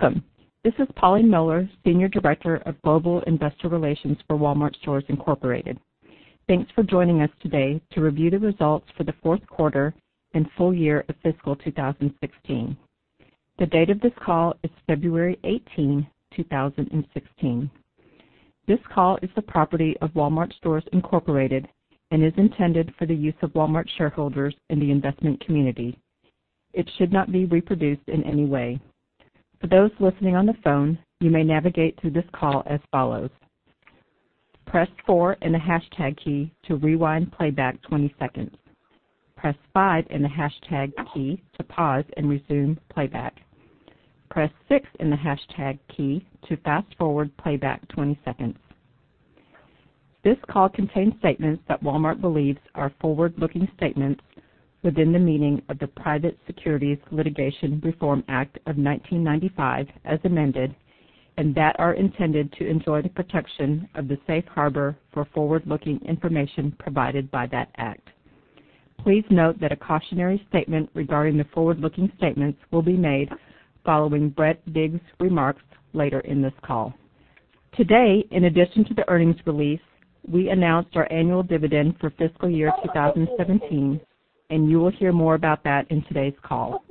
Welcome. This is Pauline Mohler, Senior Director of Global Investor Relations for Walmart Stores Incorporated. Thanks for joining us today to review the results for the fourth quarter and full year of fiscal 2016. The date of this call is February 18, 2016. This call is the property of Walmart Stores Incorporated and is intended for the use of Walmart shareholders and the investment community. It should not be reproduced in any way. For those listening on the phone, you may navigate through this call as follows: press four and the hashtag key to rewind playback 20 seconds. Press five and the hashtag key to pause and resume playback. Press six and the hashtag key to fast-forward playback 20 seconds. This call contains statements that Walmart believes are forward-looking statements within the meaning of the Private Securities Litigation Reform Act of 1995, as amended, that are intended to enjoy the protection of the safe harbor for forward-looking information provided by that act. Please note that a cautionary statement regarding the forward-looking statements will be made following Brett Biggs' remarks later in this call. Today, in addition to the earnings release, we announced our annual dividend for fiscal year 2017. You will hear more about that in today's call.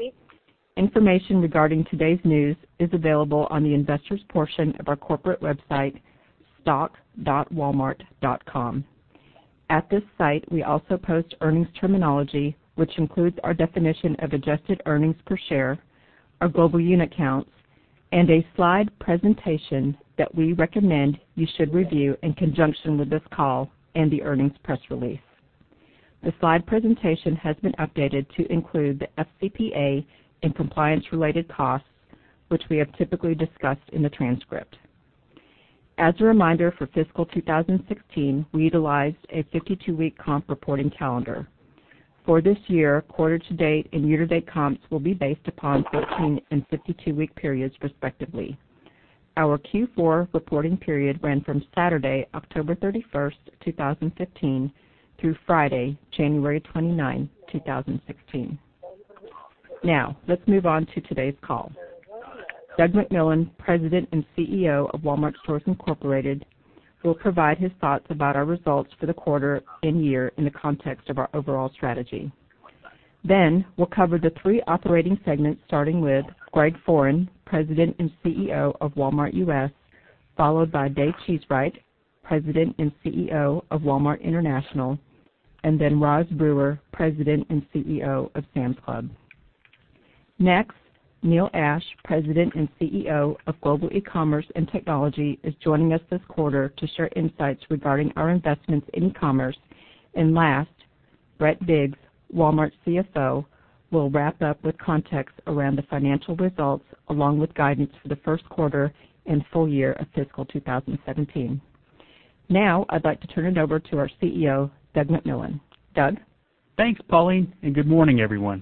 Information regarding today's news is available on the investors' portion of our corporate website, stock.walmart.com. At this site, we also post earnings terminology, which includes our definition of adjusted earnings per share, our global unit counts, a slide presentation that we recommend you should review in conjunction with this call and the earnings press release. The slide presentation has been updated to include the FCPA and compliance-related costs, which we have typically discussed in the transcript. As a reminder, for fiscal 2016, we utilized a 52-week comp reporting calendar. For this year, quarter to date and year to date comps will be based upon 13 and 52-week periods respectively. Our Q4 reporting period ran from Saturday, October 31, 2015, through Friday, January 29, 2016. Let's move on to today's call. Doug McMillon, President and CEO of Walmart Stores Incorporated, will provide his thoughts about our results for the quarter and year in the context of our overall strategy. We'll cover the three operating segments, starting with Greg Foran, President and CEO of Walmart U.S., followed by Dave Cheesewright, President and CEO of Walmart International, then Roz Brewer, President and CEO of Sam's Club. Next, Neil Ashe, President and CEO of Global eCommerce and Technology, is joining us this quarter to share insights regarding our investments in commerce. Last, Brett Biggs, Walmart's CFO, will wrap up with context around the financial results, along with guidance for the first quarter and full year of fiscal 2017. I'd like to turn it over to our CEO, Doug McMillon. Doug? Thanks, Pauline. Good morning, everyone.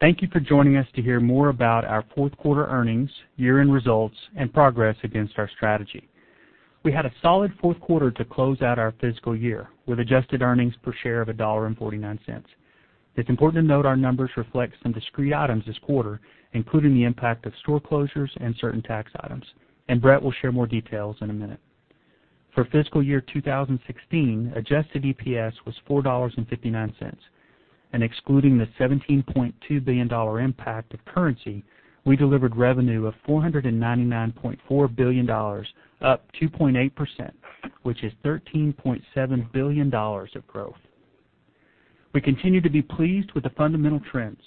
Thank you for joining us to hear more about our fourth quarter earnings, year-end results, and progress against our strategy. We had a solid fourth quarter to close out our fiscal year with adjusted earnings per share of $1.49. It's important to note our numbers reflect some discrete items this quarter, including the impact of store closures and certain tax items, Brett will share more details in a minute. For fiscal year 2016, adjusted EPS was $4.59. Excluding the $17.2 billion impact of currency, we delivered revenue of $499.4 billion, up 2.8%, which is $13.7 billion of growth. We continue to be pleased with the fundamental trends.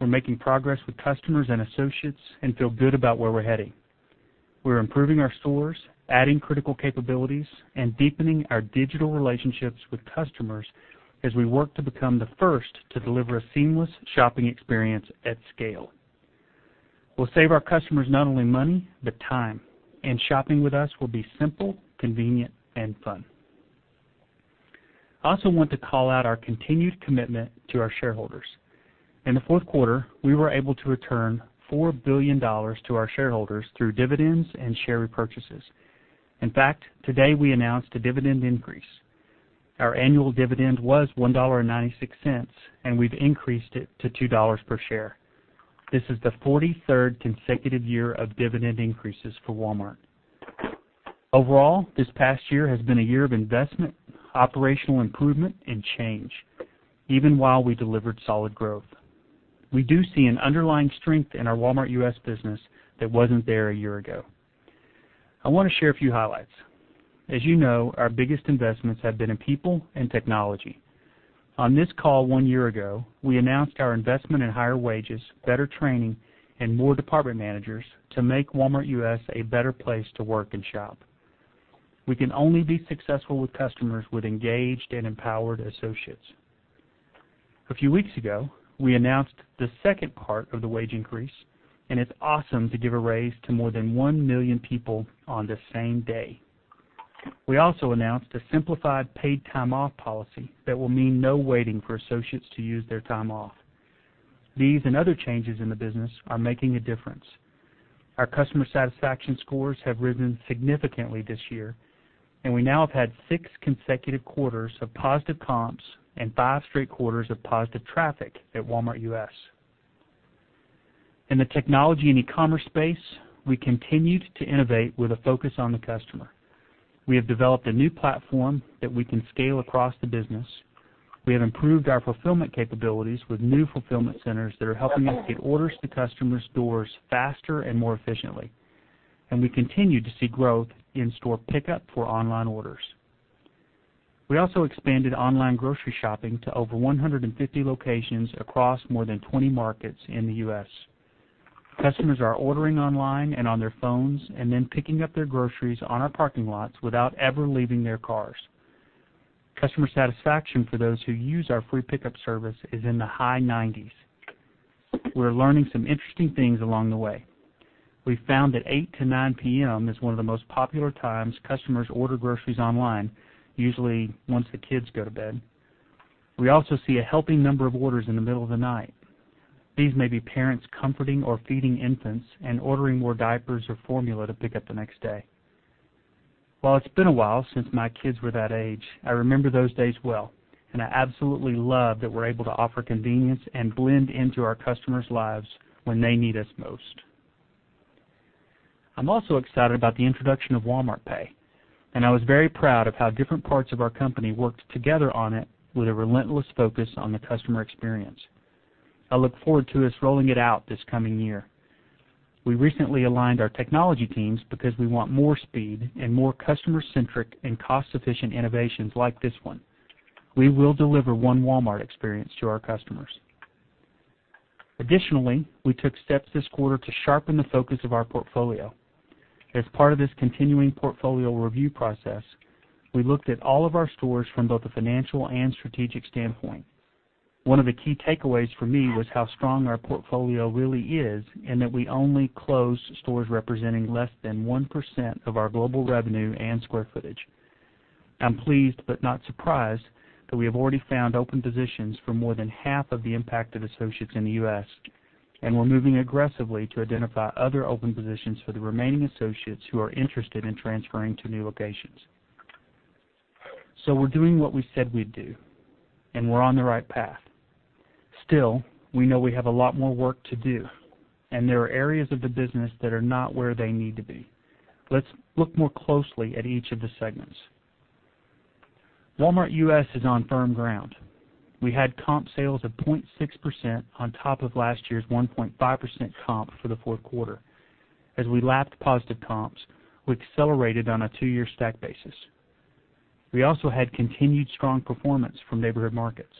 We're making progress with customers and associates and feel good about where we're heading. We're improving our stores, adding critical capabilities, deepening our digital relationships with customers as we work to become the first to deliver a seamless shopping experience at scale. We'll save our customers not only money, but time. Shopping with us will be simple, convenient, and fun. I also want to call out our continued commitment to our shareholders. In the fourth quarter, we were able to return $4 billion to our shareholders through dividends and share repurchases. In fact, today we announced a dividend increase. Our annual dividend was $1.96. We've increased it to $2 per share. This is the 43rd consecutive year of dividend increases for Walmart. Overall, this past year has been a year of investment, operational improvement, and change, even while we delivered solid growth. We do see an underlying strength in our Walmart U.S. business that wasn't there a year ago. I want to share a few highlights. As you know, our biggest investments have been in people and technology. On this call one year ago, we announced our investment in higher wages, better training, more department managers to make Walmart U.S. a better place to work and shop. We can only be successful with customers with engaged and empowered associates. A few weeks ago, we announced the second part of the wage increase. It's awesome to give a raise to more than 1 million people on the same day. We also announced a simplified paid time off policy that will mean no waiting for associates to use their time off. These other changes in the business are making a difference. Our customer satisfaction scores have risen significantly this year. We now have had six consecutive quarters of positive comps and five straight quarters of positive traffic at Walmart U.S. In the technology and e-commerce space, we continued to innovate with a focus on the customer. We have developed a new platform that we can scale across the business. We have improved our fulfillment capabilities with new fulfillment centers that are helping us get orders to customers' doors faster and more efficiently. We continue to see growth in store pickup for online orders. We also expanded online grocery shopping to over 150 locations across more than 20 markets in the U.S. Customers are ordering online and on their phones. Picking up their groceries on our parking lots without ever leaving their cars. Customer satisfaction for those who use our free pickup service is in the high 90s. We're learning some interesting things along the way. We found that 8:00 P.M. to 9:00 P.M. is one of the most popular times customers order groceries online, usually once the kids go to bed. We also see a helping number of orders in the middle of the night. These may be parents comforting or feeding infants and ordering more diapers or formula to pick up the next day. While it's been a while since my kids were that age, I remember those days well, and I absolutely love that we're able to offer convenience and blend into our customers' lives when they need us most. I'm also excited about the introduction of Walmart Pay, and I was very proud of how different parts of our company worked together on it with a relentless focus on the customer experience. I look forward to us rolling it out this coming year. We recently aligned our technology teams because we want more speed and more customer-centric and cost-efficient innovations like this one. We will deliver one Walmart experience to our customers. We took steps this quarter to sharpen the focus of our portfolio. As part of this continuing portfolio review process, we looked at all of our stores from both a financial and strategic standpoint. One of the key takeaways for me was how strong our portfolio really is, and that we only close stores representing less than 1% of our global revenue and square footage. I'm pleased but not surprised that we have already found open positions for more than half of the impacted associates in the U.S., and we're moving aggressively to identify other open positions for the remaining associates who are interested in transferring to new locations. We're doing what we said we'd do, and we're on the right path. Still, we know we have a lot more work to do, and there are areas of the business that are not where they need to be. Let's look more closely at each of the segments. Walmart U.S. is on firm ground. We had comp sales of 0.6% on top of last year's 1.5% comp for the fourth quarter. As we lapped positive comps, we accelerated on a two-year stack basis. We also had continued strong performance from Neighborhood Markets.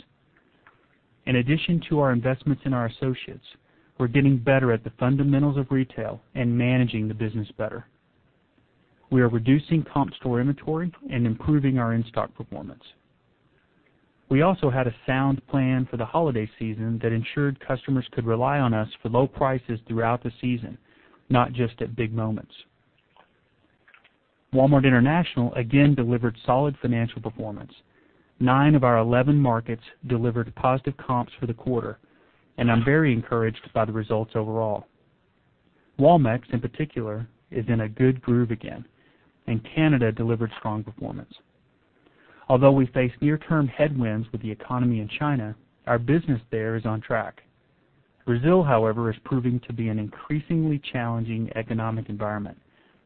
In addition to our investments in our associates, we're getting better at the fundamentals of retail and managing the business better. We are reducing comp store inventory and improving our in-stock performance. We also had a sound plan for the holiday season that ensured customers could rely on us for low prices throughout the season, not just at big moments. Walmart International again delivered solid financial performance. Nine of our 11 markets delivered positive comps for the quarter, and I'm very encouraged by the results overall. Walmex, in particular, is in a good groove again, and Canada delivered strong performance. Although we face near-term headwinds with the economy in China, our business there is on track. Brazil, however, is proving to be an increasingly challenging economic environment,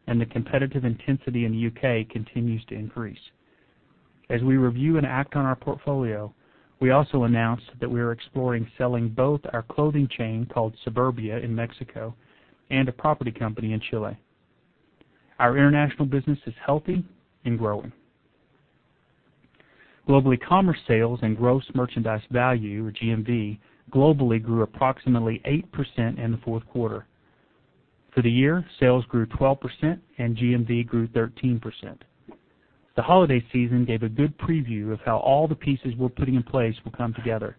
and the competitive intensity in the U.K. continues to increase. As we review and act on our portfolio, we also announced that we are exploring selling both our clothing chain, called Suburbia in Mexico, and a property company in Chile. Our international business is healthy and growing. Globally, commerce sales and gross merchandise value, or GMV, globally grew approximately 8% in the fourth quarter. For the year, sales grew 12% and GMV grew 13%. The holiday season gave a good preview of how all the pieces we're putting in place will come together.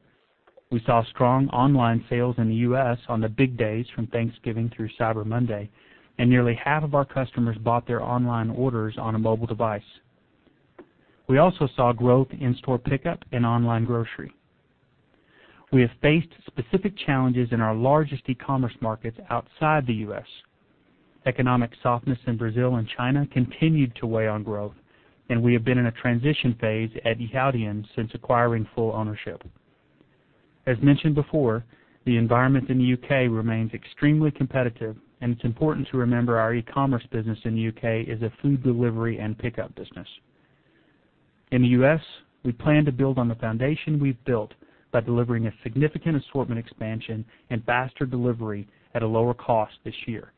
We saw strong online sales in the U.S. on the big days from Thanksgiving through Cyber Monday, and nearly half of our customers bought their online orders on a mobile device. We also saw growth in store pickup and online grocery. We have faced specific challenges in our largest e-commerce markets outside the U.S. Economic softness in Brazil and China continued to weigh on growth, and we have been in a transition phase at Yihaodian since acquiring full ownership. As mentioned before, the environment in the U.K. remains extremely competitive, and it's important to remember our e-commerce business in the U.K. is a food delivery and pickup business. In the U.S., we plan to build on the foundation we've built by delivering a significant assortment expansion and faster delivery at a lower cost this year.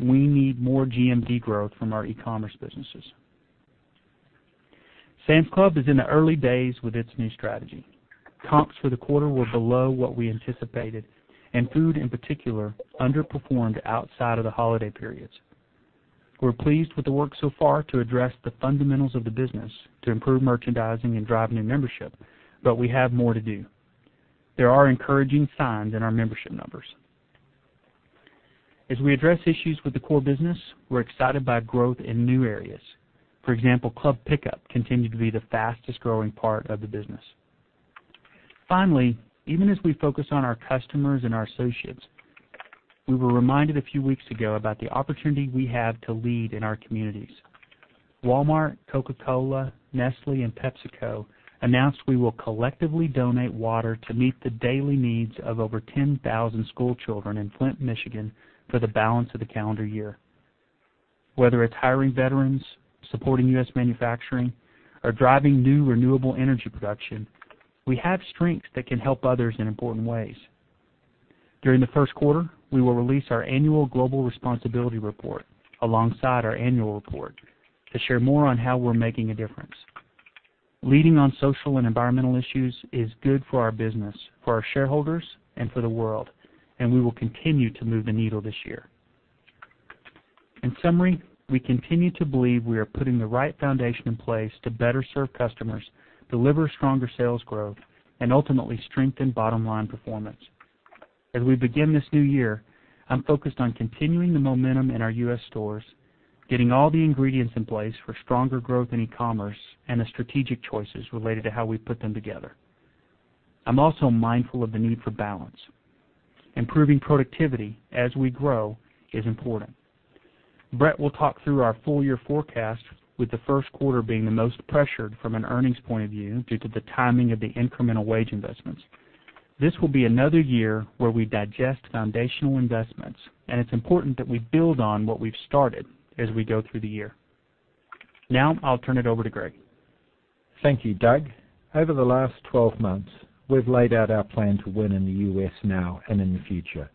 We need more GMV growth from our e-commerce businesses. Sam's Club is in the early days with its new strategy. Comps for the quarter were below what we anticipated, and food, in particular, underperformed outside of the holiday periods. We're pleased with the work so far to address the fundamentals of the business to improve merchandising and drive new membership, but we have more to do. There are encouraging signs in our membership numbers. As we address issues with the core business, we're excited by growth in new areas. For example, Club Pickup continued to be the fastest-growing part of the business. Finally, even as we focus on our customers and our associates, we were reminded a few weeks ago about the opportunity we have to lead in our communities. Walmart, Coca-Cola, Nestlé, and PepsiCo announced we will collectively donate water to meet the daily needs of over 10,000 schoolchildren in Flint, Michigan for the balance of the calendar year. Whether it's hiring veterans, supporting U.S. manufacturing, or driving new renewable energy production, we have strengths that can help others in important ways. During the first quarter, we will release our annual global responsibility report alongside our annual report to share more on how we're making a difference. Leading on social and environmental issues is good for our business, for our shareholders, and for the world, and we will continue to move the needle this year. In summary, we continue to believe we are putting the right foundation in place to better serve customers, deliver stronger sales growth, and ultimately strengthen bottom-line performance. As we begin this new year, I'm focused on continuing the momentum in our U.S. stores, getting all the ingredients in place for stronger growth in e-commerce, and the strategic choices related to how we put them together. I'm also mindful of the need for balance. Improving productivity as we grow is important. Brett will talk through our full-year forecast, with the first quarter being the most pressured from an earnings point of view due to the timing of the incremental wage investments. This will be another year where we digest foundational investments, and it's important that we build on what we've started as we go through the year. Now I'll turn it over to Greg. Thank you, Doug. Over the last 12 months, we've laid out our plan to win in the U.S. now and in the future.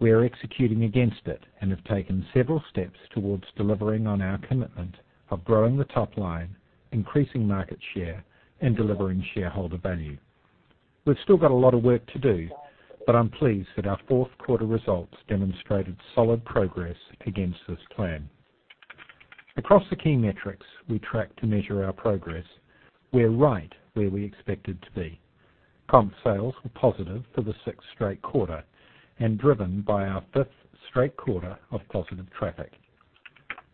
We are executing against it and have taken several steps towards delivering on our commitment of growing the top line, increasing market share, and delivering shareholder value. We've still got a lot of work to do, but I'm pleased that our fourth quarter results demonstrated solid progress against this plan. Across the key metrics we track to measure our progress, we're right where we expected to be. Comp sales were positive for the sixth straight quarter and driven by our fifth straight quarter of positive traffic.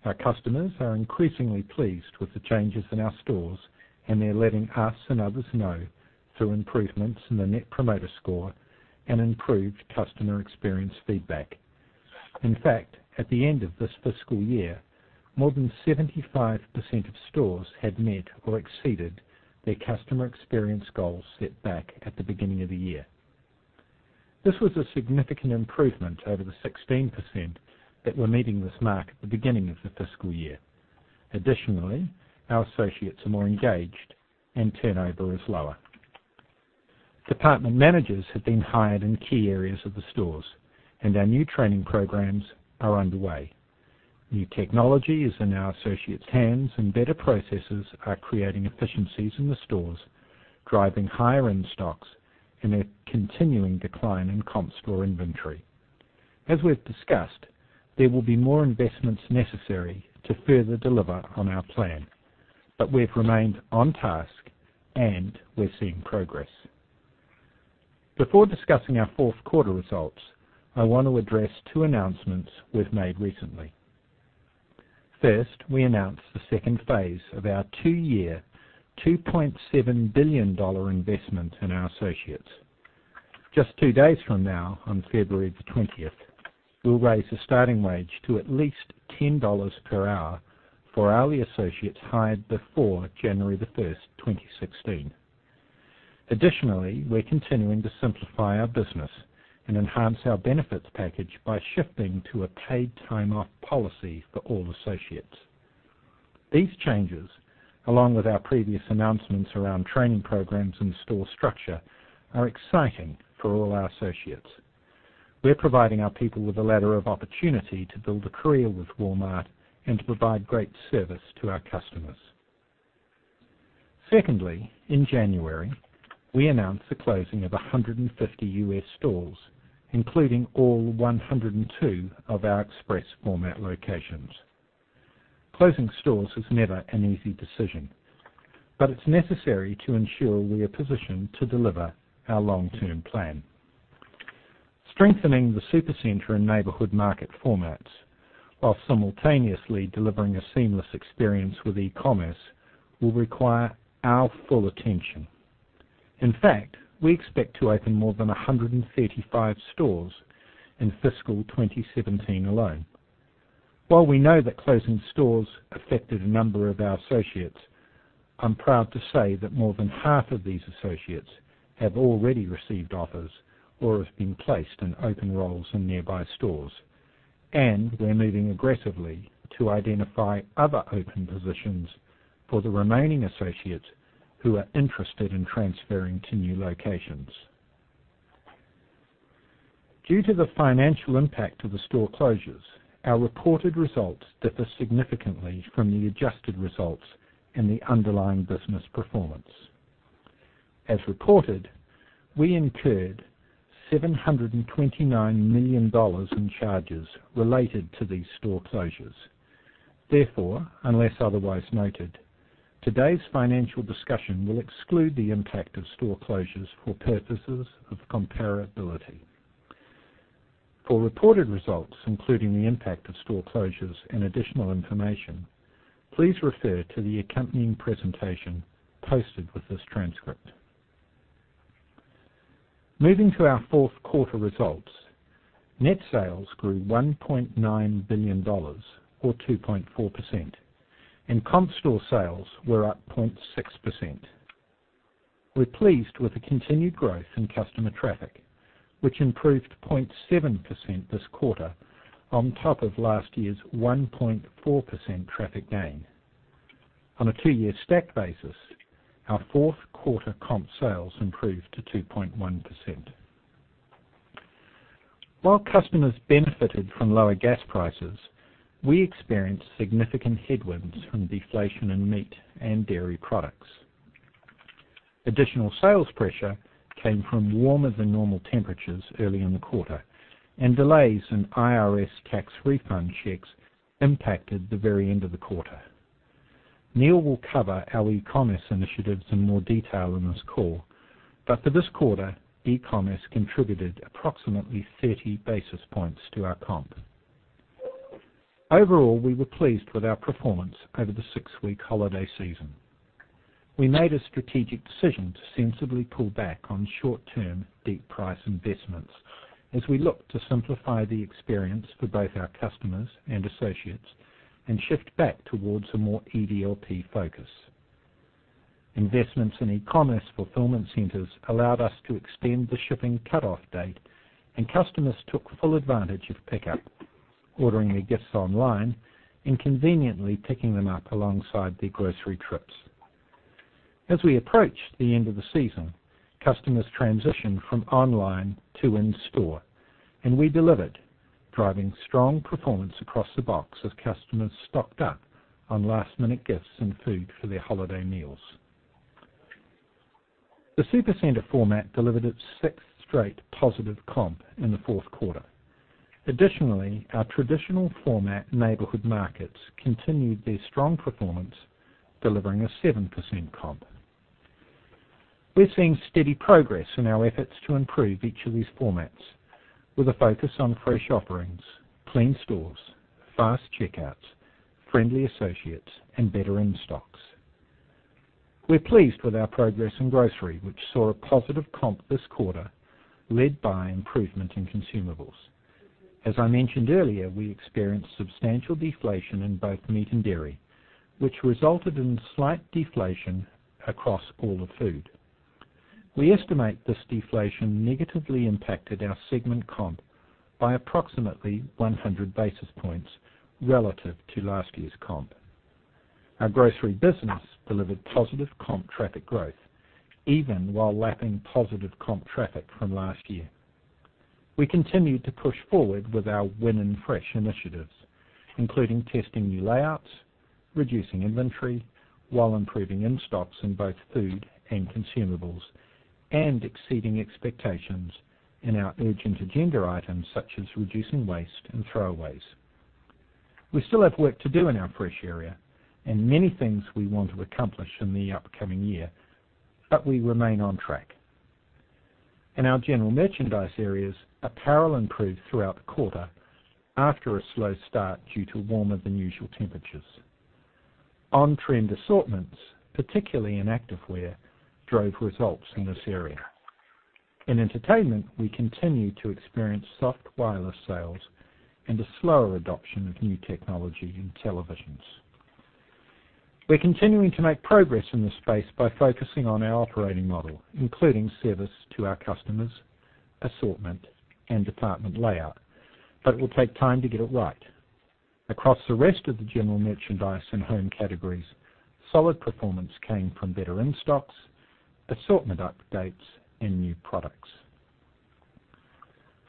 Our customers are increasingly pleased with the changes in our stores, and they're letting us and others know through improvements in the Net Promoter Score and improved customer experience feedback. In fact, at the end of this fiscal year, more than 75% of stores had met or exceeded their customer experience goals set back at the beginning of the year. This was a significant improvement over the 16% that were meeting this mark at the beginning of the fiscal year. Additionally, our associates are more engaged and turnover is lower. Department managers have been hired in key areas of the stores, and our new training programs are underway. New technology is in our associates' hands, and better processes are creating efficiencies in the stores, driving higher in-stocks, and a continuing decline in comp store inventory. As we've discussed, there will be more investments necessary to further deliver on our plan, but we've remained on task, and we're seeing progress. Before discussing our fourth quarter results, I want to address two announcements we've made recently. First, we announced the second phase of our two-year, $2.7 billion investment in our associates. Just two days from now, on February the 20th, we'll raise the starting wage to at least $10 per hour for hourly associates hired before January the 1st, 2016. Additionally, we're continuing to simplify our business and enhance our benefits package by shifting to a paid time off policy for all associates. These changes, along with our previous announcements around training programs and store structure, are exciting for all our associates. We're providing our people with a ladder of opportunity to build a career with Walmart and to provide great service to our customers. Secondly, in January, we announced the closing of 150 U.S. stores, including all 102 of our Express format locations. Closing stores is never an easy decision, but it's necessary to ensure we are positioned to deliver our long-term plan. Strengthening the Supercenter and Neighborhood Market formats while simultaneously delivering a seamless experience with e-commerce will require our full attention. In fact, we expect to open more than 135 stores in fiscal 2017 alone. While we know that closing stores affected a number of our associates, I'm proud to say that more than half of these associates have already received offers or have been placed in open roles in nearby stores. We're moving aggressively to identify other open positions for the remaining associates who are interested in transferring to new locations. Due to the financial impact of the store closures, our reported results differ significantly from the adjusted results in the underlying business performance. As reported, we incurred $729 million in charges related to these store closures. Therefore, unless otherwise noted, today's financial discussion will exclude the impact of store closures for purposes of comparability. For reported results, including the impact of store closures and additional information, please refer to the accompanying presentation posted with this transcript. Moving to our fourth quarter results, net sales grew $1.9 billion, or 2.4%, and comp store sales were up 0.6%. We're pleased with the continued growth in customer traffic, which improved 0.7% this quarter on top of last year's 1.4% traffic gain. On a two-year stack basis, our fourth quarter comp sales improved to 2.1%. While customers benefited from lower gas prices, we experienced significant headwinds from deflation in meat and dairy products. Additional sales pressure came from warmer than normal temperatures early in the quarter, and delays in IRS tax refund checks impacted the very end of the quarter. Neil will cover our e-commerce initiatives in more detail on this call. For this quarter, e-commerce contributed approximately 30 basis points to our comp. Overall, we were pleased with our performance over the six-week holiday season. We made a strategic decision to sensibly pull back on short-term deep price investments as we look to simplify the experience for both our customers and associates and shift back towards a more EDLP focus. Investments in e-commerce fulfillment centers allowed us to extend the shipping cutoff date. Customers took full advantage of pickup, ordering their gifts online, and conveniently picking them up alongside their grocery trips. As we approached the end of the season, customers transitioned from online to in-store. We delivered, driving strong performance across the box as customers stocked up on last-minute gifts and food for their holiday meals. The Supercenter format delivered its sixth straight positive comp in the fourth quarter. Additionally, our traditional format Neighborhood Markets continued their strong performance, delivering a 7% comp. We're seeing steady progress in our efforts to improve each of these formats with a focus on fresh offerings, clean stores, fast checkouts, friendly associates, and better in-stocks. We're pleased with our progress in grocery, which saw a positive comp this quarter led by improvement in consumables. As I mentioned earlier, we experienced substantial deflation in both meat and dairy, which resulted in slight deflation across all of food. We estimate this deflation negatively impacted our segment comp by approximately 100 basis points relative to last year's comp. Our grocery business delivered positive comp traffic growth even while lapping positive comp traffic from last year. We continued to push forward with our Win in Fresh initiatives, including testing new layouts, reducing inventory while improving in-stocks in both food and consumables, exceeding expectations in our urgent agenda items such as reducing waste and throwaways. We still have work to do in our fresh area and many things we want to accomplish in the upcoming year. We remain on track. In our general merchandise areas, apparel improved throughout the quarter after a slow start due to warmer than usual temperatures. On-trend assortments, particularly in activewear, drove results in this area. In entertainment, we continue to experience soft wireless sales and a slower adoption of new technology in televisions. We're continuing to make progress in this space by focusing on our operating model, including service to our customers, assortment, and department layout. Will take time to get it right. Across the rest of the general merchandise and home categories, solid performance came from better in-stocks, assortment updates, and new products.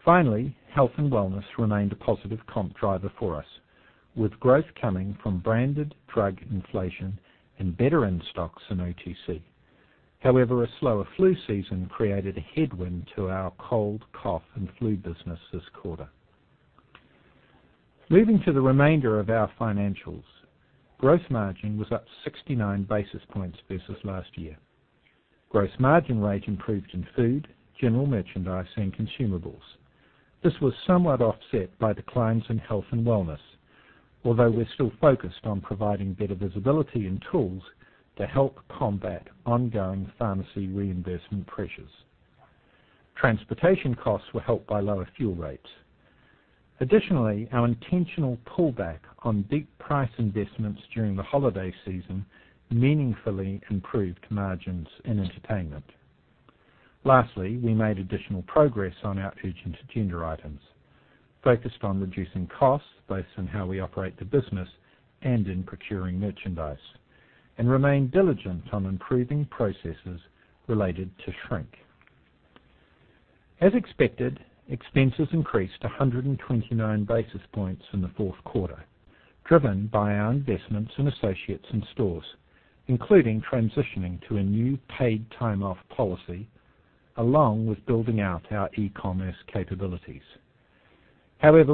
Finally, health and wellness remained a positive comp driver for us, with growth coming from branded drug inflation and better in-stocks in OTC. A slower flu season created a headwind to our cold, cough, and flu business this quarter. Moving to the remainder of our financials, gross margin was up 69 basis points versus last year. Gross margin rate improved in food, general merchandise, and consumables. This was somewhat offset by declines in health and wellness, although we're still focused on providing better visibility and tools to help combat ongoing pharmacy reimbursement pressures. Transportation costs were helped by lower fuel rates. Additionally, our intentional pullback on deep price investments during the holiday season meaningfully improved margins in entertainment. Lastly, we made additional progress on our urgent agenda items, focused on reducing costs based on how we operate the business and in procuring merchandise, and remained diligent on improving processes related to shrink. As expected, expenses increased 129 basis points in the fourth quarter, driven by our investments in associates in stores, including transitioning to a new paid time off policy along with building out our e-commerce capabilities.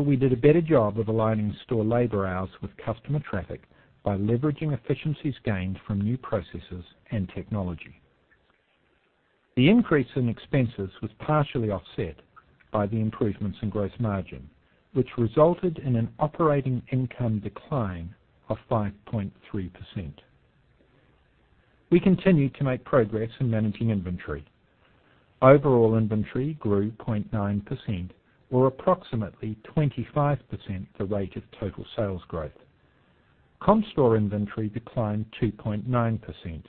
We did a better job of aligning store labor hours with customer traffic by leveraging efficiencies gained from new processes and technology. The increase in expenses was partially offset by the improvements in gross margin, which resulted in an operating income decline of 5.3%. We continued to make progress in managing inventory. Overall inventory grew 0.9%, or approximately 25% the rate of total sales growth. Comp store inventory declined 2.9%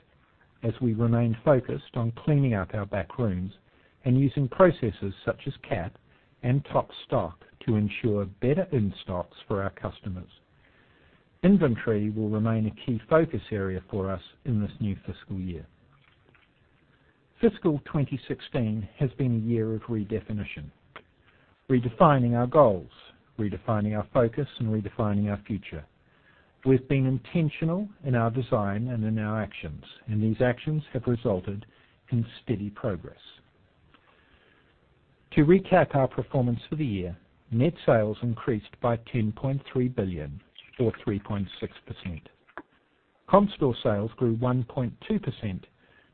as we remained focused on cleaning up our back rooms and using processes such as CAP and TopStock to ensure better in-stocks for our customers. Inventory will remain a key focus area for us in this new fiscal year. Fiscal 2016 has been a year of redefinition. Redefining our goals, redefining our focus, and redefining our future. We've been intentional in our design and in our actions, and these actions have resulted in steady progress. To recap our performance for the year, net sales increased by $10.3 billion or 3.6%. Comp store sales grew 1.2%,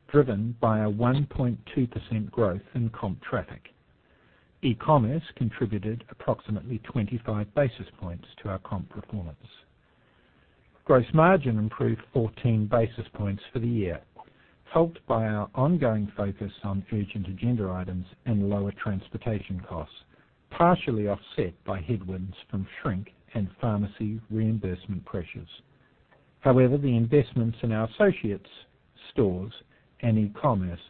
driven by a 1.2% growth in comp traffic. E-commerce contributed approximately 25 basis points to our comp performance. Gross margin improved 14 basis points for the year, helped by our ongoing focus on urgent agenda items and lower transportation costs, partially offset by headwinds from shrink and pharmacy reimbursement pressures. The investments in our associates, stores, and e-commerce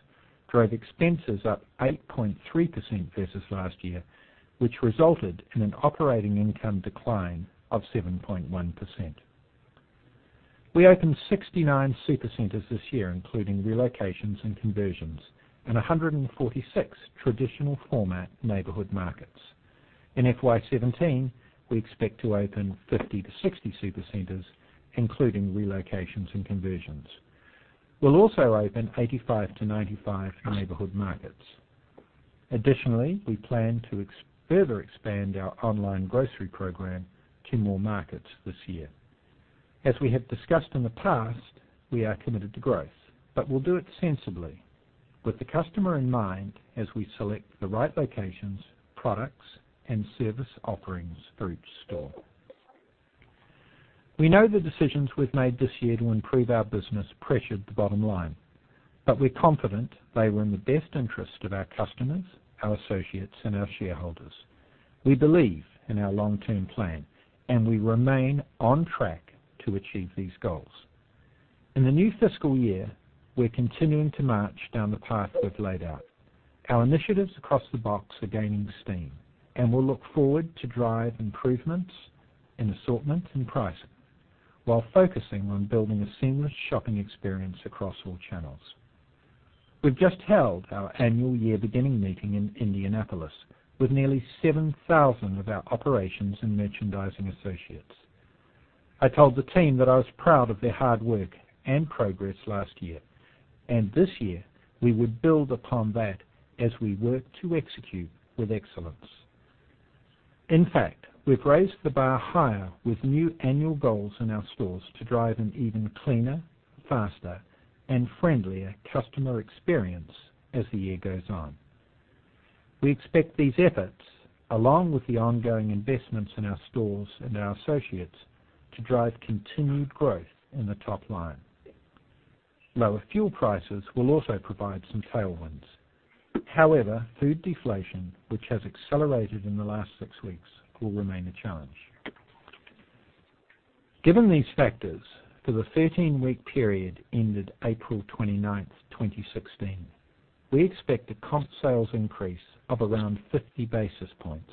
drove expenses up 8.3% versus last year, which resulted in an operating income decline of 7.1%. We opened 69 Supercenters this year, including relocations and conversions, and 146 traditional format Neighborhood Markets. In FY 2017, we expect to open 50 to 60 Supercenters, including relocations and conversions. We'll also open 85 to 95 Neighborhood Markets. Additionally, we plan to further expand our online grocery program to more markets this year. As we have discussed in the past, we are committed to growth, but we'll do it sensibly with the customer in mind as we select the right locations, products, and service offerings for each store. We know the decisions we've made this year to improve our business pressured the bottom line, but we're confident they were in the best interest of our customers, our associates, and our shareholders. We believe in our long-term plan, and we remain on track to achieve these goals. In the new fiscal year, we're continuing to march down the path we've laid out. Our initiatives across the box are gaining steam. We'll look forward to drive improvements in assortment and pricing while focusing on building a seamless shopping experience across all channels. We've just held our annual year beginning meeting in Indianapolis with nearly 7,000 of our operations and merchandising associates. I told the team that I was proud of their hard work and progress last year. This year we would build upon that as we work to execute with excellence. In fact, we've raised the bar higher with new annual goals in our stores to drive an even cleaner, faster, and friendlier customer experience as the year goes on. We expect these efforts, along with the ongoing investments in our stores and our associates, to drive continued growth in the top line. Lower fuel prices will also provide some tailwinds. However, food deflation, which has accelerated in the last six weeks, will remain a challenge. Given these factors, for the 13-week period ended April 29th, 2016, we expect a comp sales increase of around 50 basis points.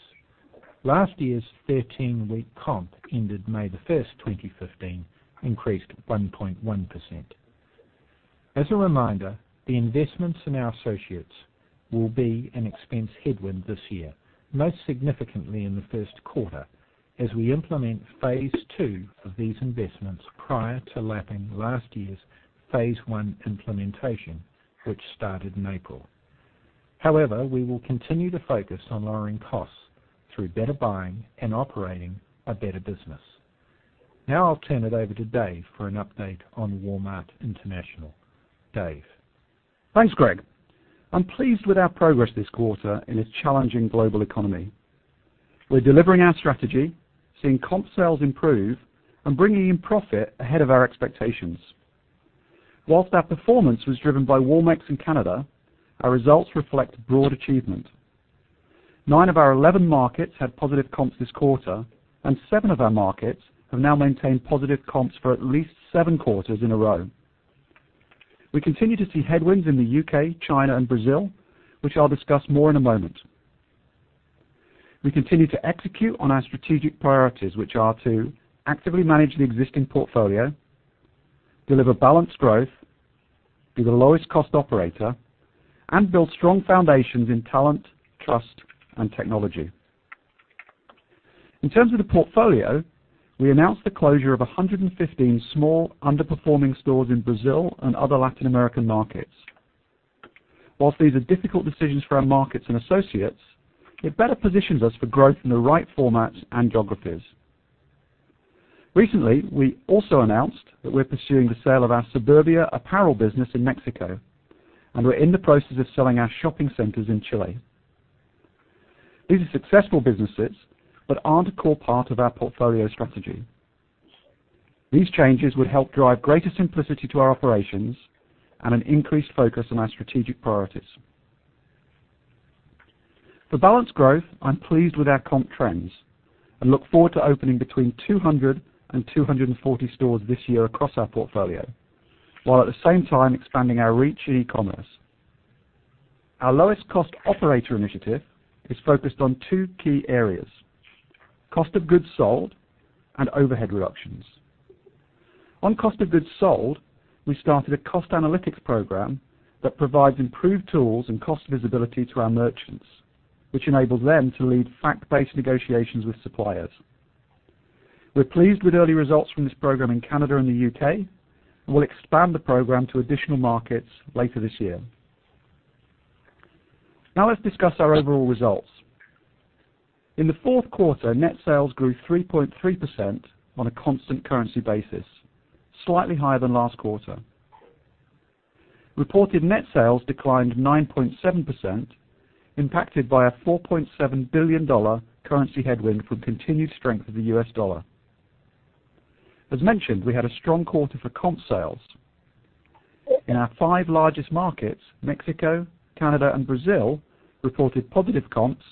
Last year's 13-week comp ended May 1st, 2015, increased 1.1%. As a reminder, the investments in our associates will be an expense headwind this year, most significantly in the first quarter as we implement phase two of these investments prior to lapping last year's phase one implementation, which started in April. However, we will continue to focus on lowering costs through better buying and operating a better business. Now I'll turn it over to Dave for an update on Walmart International. Dave? Thanks, Greg. I'm pleased with our progress this quarter in a challenging global economy. We're delivering our strategy, seeing comp sales improve, bringing in profit ahead of our expectations. Whilst our performance was driven by Walmex and Canada, our results reflect broad achievement. Nine of our 11 markets had positive comps this quarter, and seven of our markets have now maintained positive comps for at least seven quarters in a row. We continue to see headwinds in the U.K., China, and Brazil, which I'll discuss more in a moment. We continue to execute on our strategic priorities, which are to actively manage the existing portfolio, deliver balanced growth, be the lowest cost operator, and build strong foundations in talent, trust, and technology. In terms of the portfolio, we announced the closure of 115 small underperforming stores in Brazil and other Latin American markets. Whilst these are difficult decisions for our markets and associates, it better positions us for growth in the right formats and geographies. Recently, we also announced that we're pursuing the sale of our Suburbia apparel business in Mexico. We're in the process of selling our shopping centers in Chile. These are successful businesses but aren't a core part of our portfolio strategy. These changes would help drive greater simplicity to our operations and an increased focus on our strategic priorities. For balanced growth, I'm pleased with our comp trends and look forward to opening between 200 and 240 stores this year across our portfolio, while at the same time expanding our reach in e-commerce. Our lowest cost operator initiative is focused on two key areas, cost of goods sold and overhead reductions. On cost of goods sold, we started a cost analytics program that provides improved tools and cost visibility to our merchants, which enables them to lead fact-based negotiations with suppliers. We're pleased with early results from this program in Canada and the U.K. and we'll expand the program to additional markets later this year. Now let's discuss our overall results. In the fourth quarter, net sales grew 3.3% on a constant currency basis, slightly higher than last quarter. Reported net sales declined 9.7%, impacted by a $4.7 billion currency headwind from continued strength of the U.S. dollar. As mentioned, we had a strong quarter for comp sales. In our 5 largest markets, Mexico, Canada, and Brazil reported positive comps,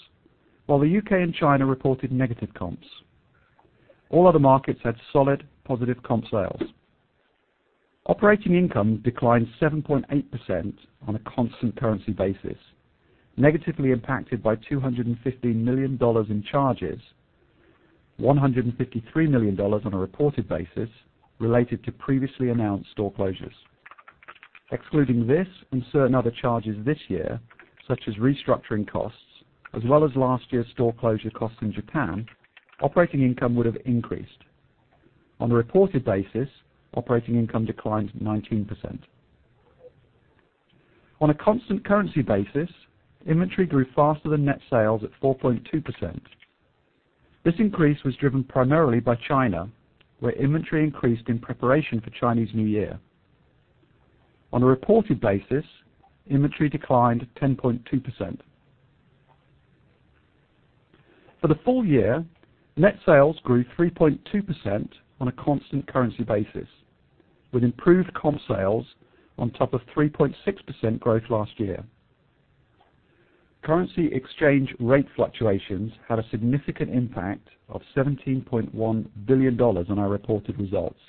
while the U.K. and China reported negative comps. All other markets had solid positive comp sales. Operating income declined 7.8% on a constant currency basis, negatively impacted by $250 million in charges, $153 million on a reported basis, related to previously announced store closures. Excluding this and certain other charges this year, such as restructuring costs as well as last year's store closure costs in Japan, operating income would have increased. On a reported basis, operating income declined 19%. On a constant currency basis, inventory grew faster than net sales at 4.2%. This increase was driven primarily by China, where inventory increased in preparation for Chinese New Year. On a reported basis, inventory declined 10.2%. For the full year, net sales grew 3.2% on a constant currency basis, with improved comp sales on top of 3.6% growth last year. Currency exchange rate fluctuations had a significant impact of $17.1 billion on our reported results,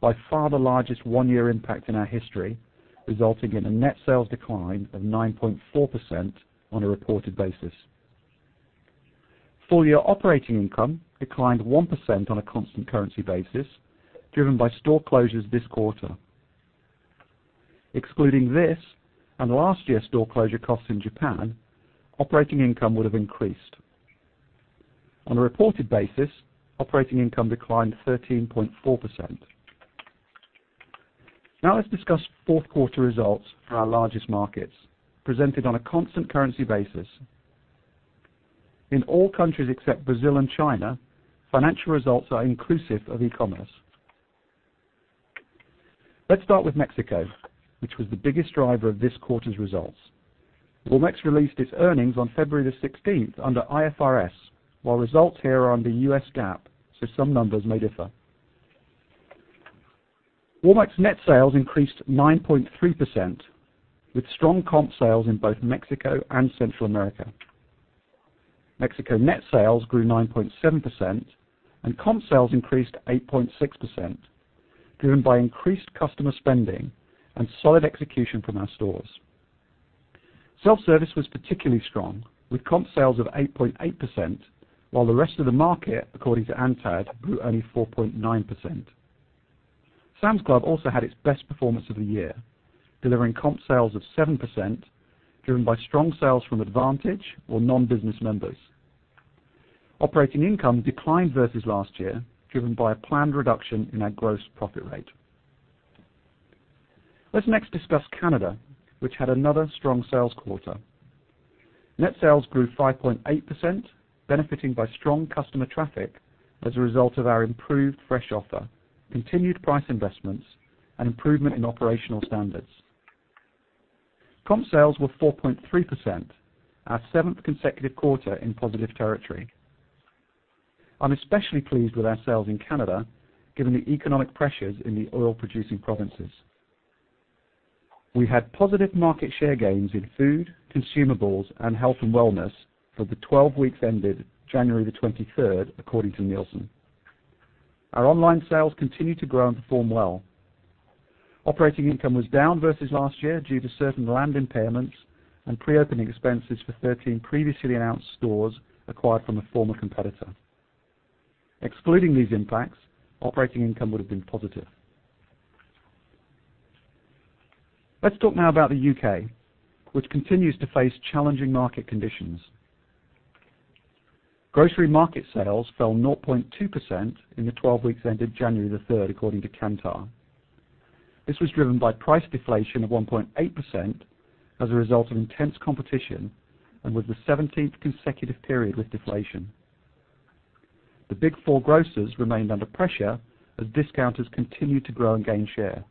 by far the largest one-year impact in our history, resulting in a net sales decline of 9.4% on a reported basis. Full year operating income declined 1% on a constant currency basis, driven by store closures this quarter. Excluding this and last year's store closure costs in Japan, operating income would have increased. On a reported basis, operating income declined 13.4%. Now let's discuss fourth quarter results for our largest markets, presented on a constant currency basis. In all countries except Brazil and China, financial results are inclusive of e-commerce. Let's start with Mexico, which was the biggest driver of this quarter's results. Walmex released its earnings on February the 16th under IFRS, while results here are under U.S. GAAP, so some numbers may differ. Walmex net sales increased 9.3%, with strong comp sales in both Mexico and Central America. Mexico net sales grew 9.7% and comp sales increased 8.6%, driven by increased customer spending and solid execution from our stores. Self-service was particularly strong, with comp sales of 8.8%, while the rest of the market, according to ANTAD, grew only 4.9%. Sam's Club also had its best performance of the year, delivering comp sales of 7%, driven by strong sales from Advantage or non-business members. Operating income declined versus last year, driven by a planned reduction in our gross profit rate. Let's next discuss Canada, which had another strong sales quarter. Net sales grew 5.8%, benefiting by strong customer traffic as a result of our improved fresh offer, continued price investments, and improvement in operational standards. Comp sales were 4.3%, our seventh consecutive quarter in positive territory. I'm especially pleased with our sales in Canada, given the economic pressures in the oil producing provinces. We had positive market share gains in food, consumables, and health and wellness for the 12 weeks ended January 23rd, according to Nielsen. Our online sales continue to grow and perform well. Operating income was down versus last year due to certain land impairments and pre-opening expenses for 13 previously announced stores acquired from a former competitor. Excluding these impacts, operating income would have been positive. Let's talk now about the U.K., which continues to face challenging market conditions. Grocery market sales fell 0.2% in the 12 weeks ended January 3rd, according to Kantar. This was driven by price deflation of 1.8% as a result of intense competition and was the 17th consecutive period with deflation. The big four grocers remained under pressure as discounters continued to grow and gain share.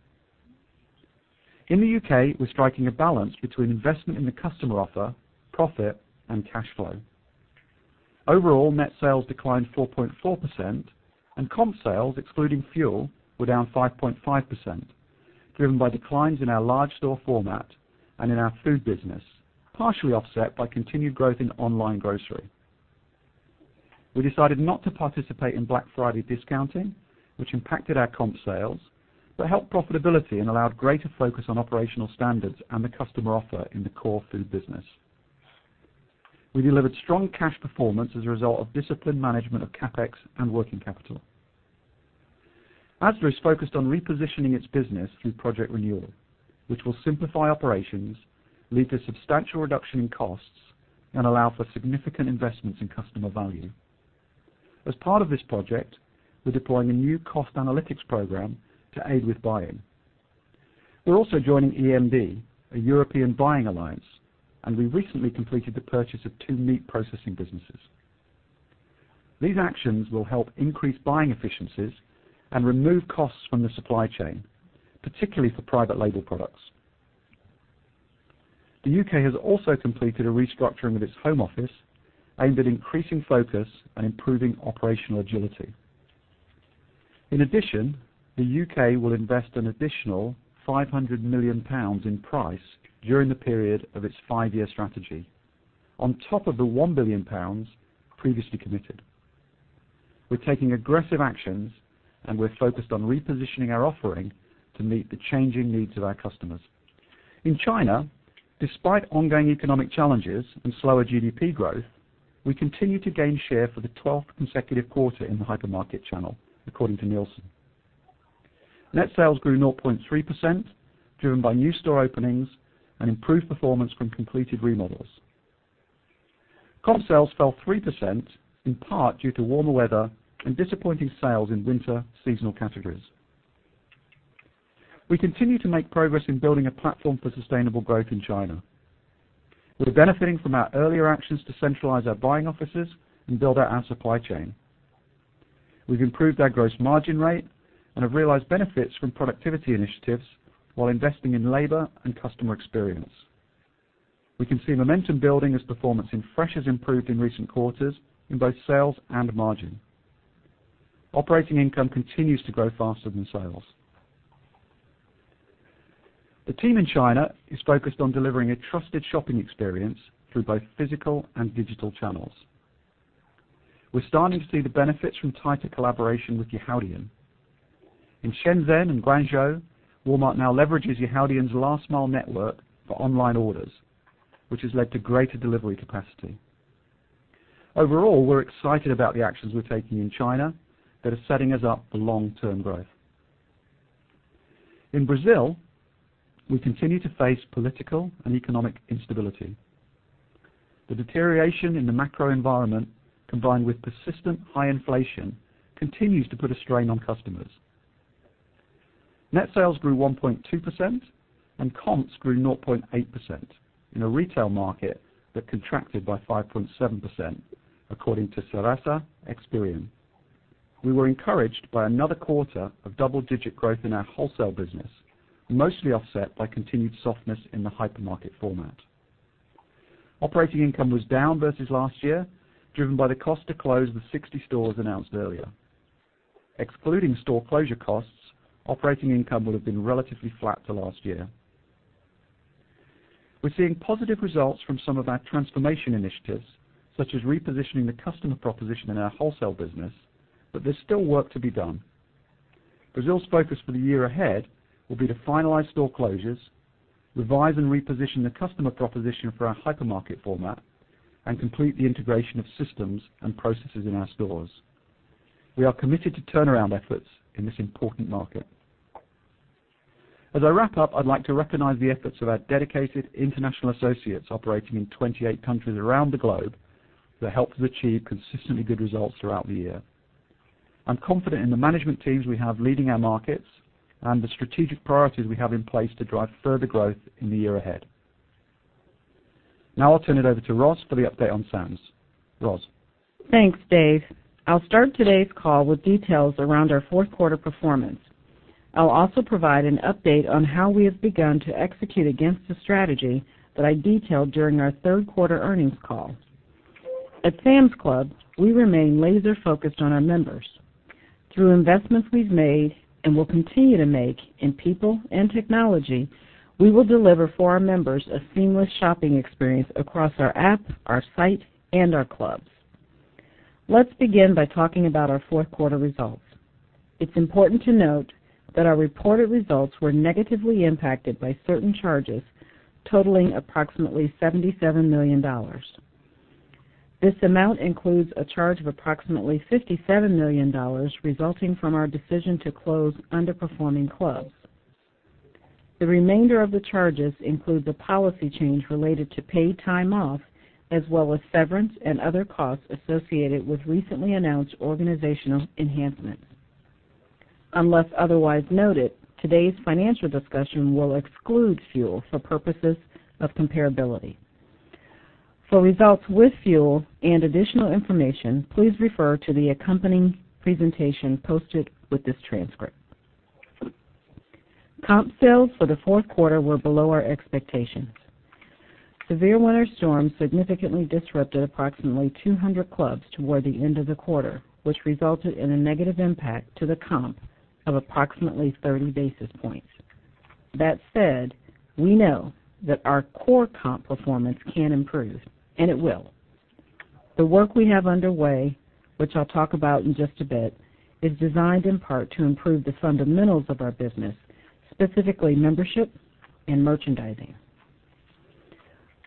In the U.K., we're striking a balance between investment in the customer offer, profit, and cash flow. Overall, net sales declined 4.4% and comp sales, excluding fuel, were down 5.5%, driven by declines in our large store format and in our food business, partially offset by continued growth in online grocery. We decided not to participate in Black Friday discounting, which impacted our comp sales, but helped profitability and allowed greater focus on operational standards and the customer offer in the core food business. We delivered strong cash performance as a result of disciplined management of CapEx and working capital. Asda is focused on repositioning its business through Project Renewal, which will simplify operations, lead to substantial reduction in costs, and allow for significant investments in customer value. As part of this project, we're deploying a new cost analytics program to aid with buying. We're also joining EMD, a European buying alliance, and we recently completed the purchase of two meat processing businesses. These actions will help increase buying efficiencies and remove costs from the supply chain, particularly for private label products. The U.K. has also completed a restructuring of its home office aimed at increasing focus and improving operational agility. In addition, the U.K. will invest an additional 500 million pounds in price during the period of its five-year strategy, on top of the 1 billion pounds previously committed. We're taking aggressive actions, we're focused on repositioning our offering to meet the changing needs of our customers. In China, despite ongoing economic challenges and slower GDP growth, we continue to gain share for the 12th consecutive quarter in the hypermarket channel, according to Nielsen. Net sales grew 0.3%, driven by new store openings and improved performance from completed remodels. Comp sales fell 3%, in part due to warmer weather and disappointing sales in winter seasonal categories. We continue to make progress in building a platform for sustainable growth in China. We're benefiting from our earlier actions to centralize our buying offices and build out our supply chain. We've improved our gross margin rate and have realized benefits from productivity initiatives while investing in labor and customer experience. We can see momentum building as performance in fresh has improved in recent quarters in both sales and margin. Operating income continues to grow faster than sales. The team in China is focused on delivering a trusted shopping experience through both physical and digital channels. We're starting to see the benefits from tighter collaboration with Yihaodian. In Shenzhen and Guangzhou, Walmart now leverages Yihaodian's last mile network for online orders, which has led to greater delivery capacity. We're excited about the actions we're taking in China that are setting us up for long-term growth. In Brazil, we continue to face political and economic instability. The deterioration in the macro environment, combined with persistent high inflation, continues to put a strain on customers. Net sales grew 1.2% and comps grew 0.8% in a retail market that contracted by 5.7%, according to Serasa Experian. We were encouraged by another quarter of double-digit growth in our wholesale business, mostly offset by continued softness in the hypermarket format. Operating income was down versus last year, driven by the cost to close the 60 stores announced earlier. Excluding store closure costs, operating income would have been relatively flat to last year. We're seeing positive results from some of our transformation initiatives, such as repositioning the customer proposition in our wholesale business, there's still work to be done. Brazil's focus for the year ahead will be to finalize store closures, revise and reposition the customer proposition for our hypermarket format, and complete the integration of systems and processes in our stores. We are committed to turnaround efforts in this important market. As I wrap up, I'd like to recognize the efforts of our dedicated international associates operating in 28 countries around the globe that helped us achieve consistently good results throughout the year. I'm confident in the management teams we have leading our markets and the strategic priorities we have in place to drive further growth in the year ahead. I'll turn it over to Roz for the update on Sam's. Roz? Thanks, Dave. I'll start today's call with details around our fourth quarter performance. I'll also provide an update on how we have begun to execute against the strategy that I detailed during our third quarter earnings call. At Sam's Club, we remain laser-focused on our members. Through investments we've made and will continue to make in people and technology, we will deliver for our members a seamless shopping experience across our app, our site, and our clubs. Let's begin by talking about our fourth quarter results. It's important to note that our reported results were negatively impacted by certain charges totaling approximately $77 million. This amount includes a charge of approximately $57 million resulting from our decision to close underperforming clubs. The remainder of the charges include the policy change related to paid time off, as well as severance and other costs associated with recently announced organizational enhancements. Unless otherwise noted, today's financial discussion will exclude fuel for purposes of comparability. For results with fuel and additional information, please refer to the accompanying presentation posted with this transcript. Comp sales for the fourth quarter were below our expectations. Severe winter storms significantly disrupted approximately 200 clubs toward the end of the quarter, which resulted in a negative impact to the comp of approximately 30 basis points. We know that our core comp performance can improve, and it will. The work we have underway, which I'll talk about in just a bit, is designed in part to improve the fundamentals of our business, specifically membership and merchandising.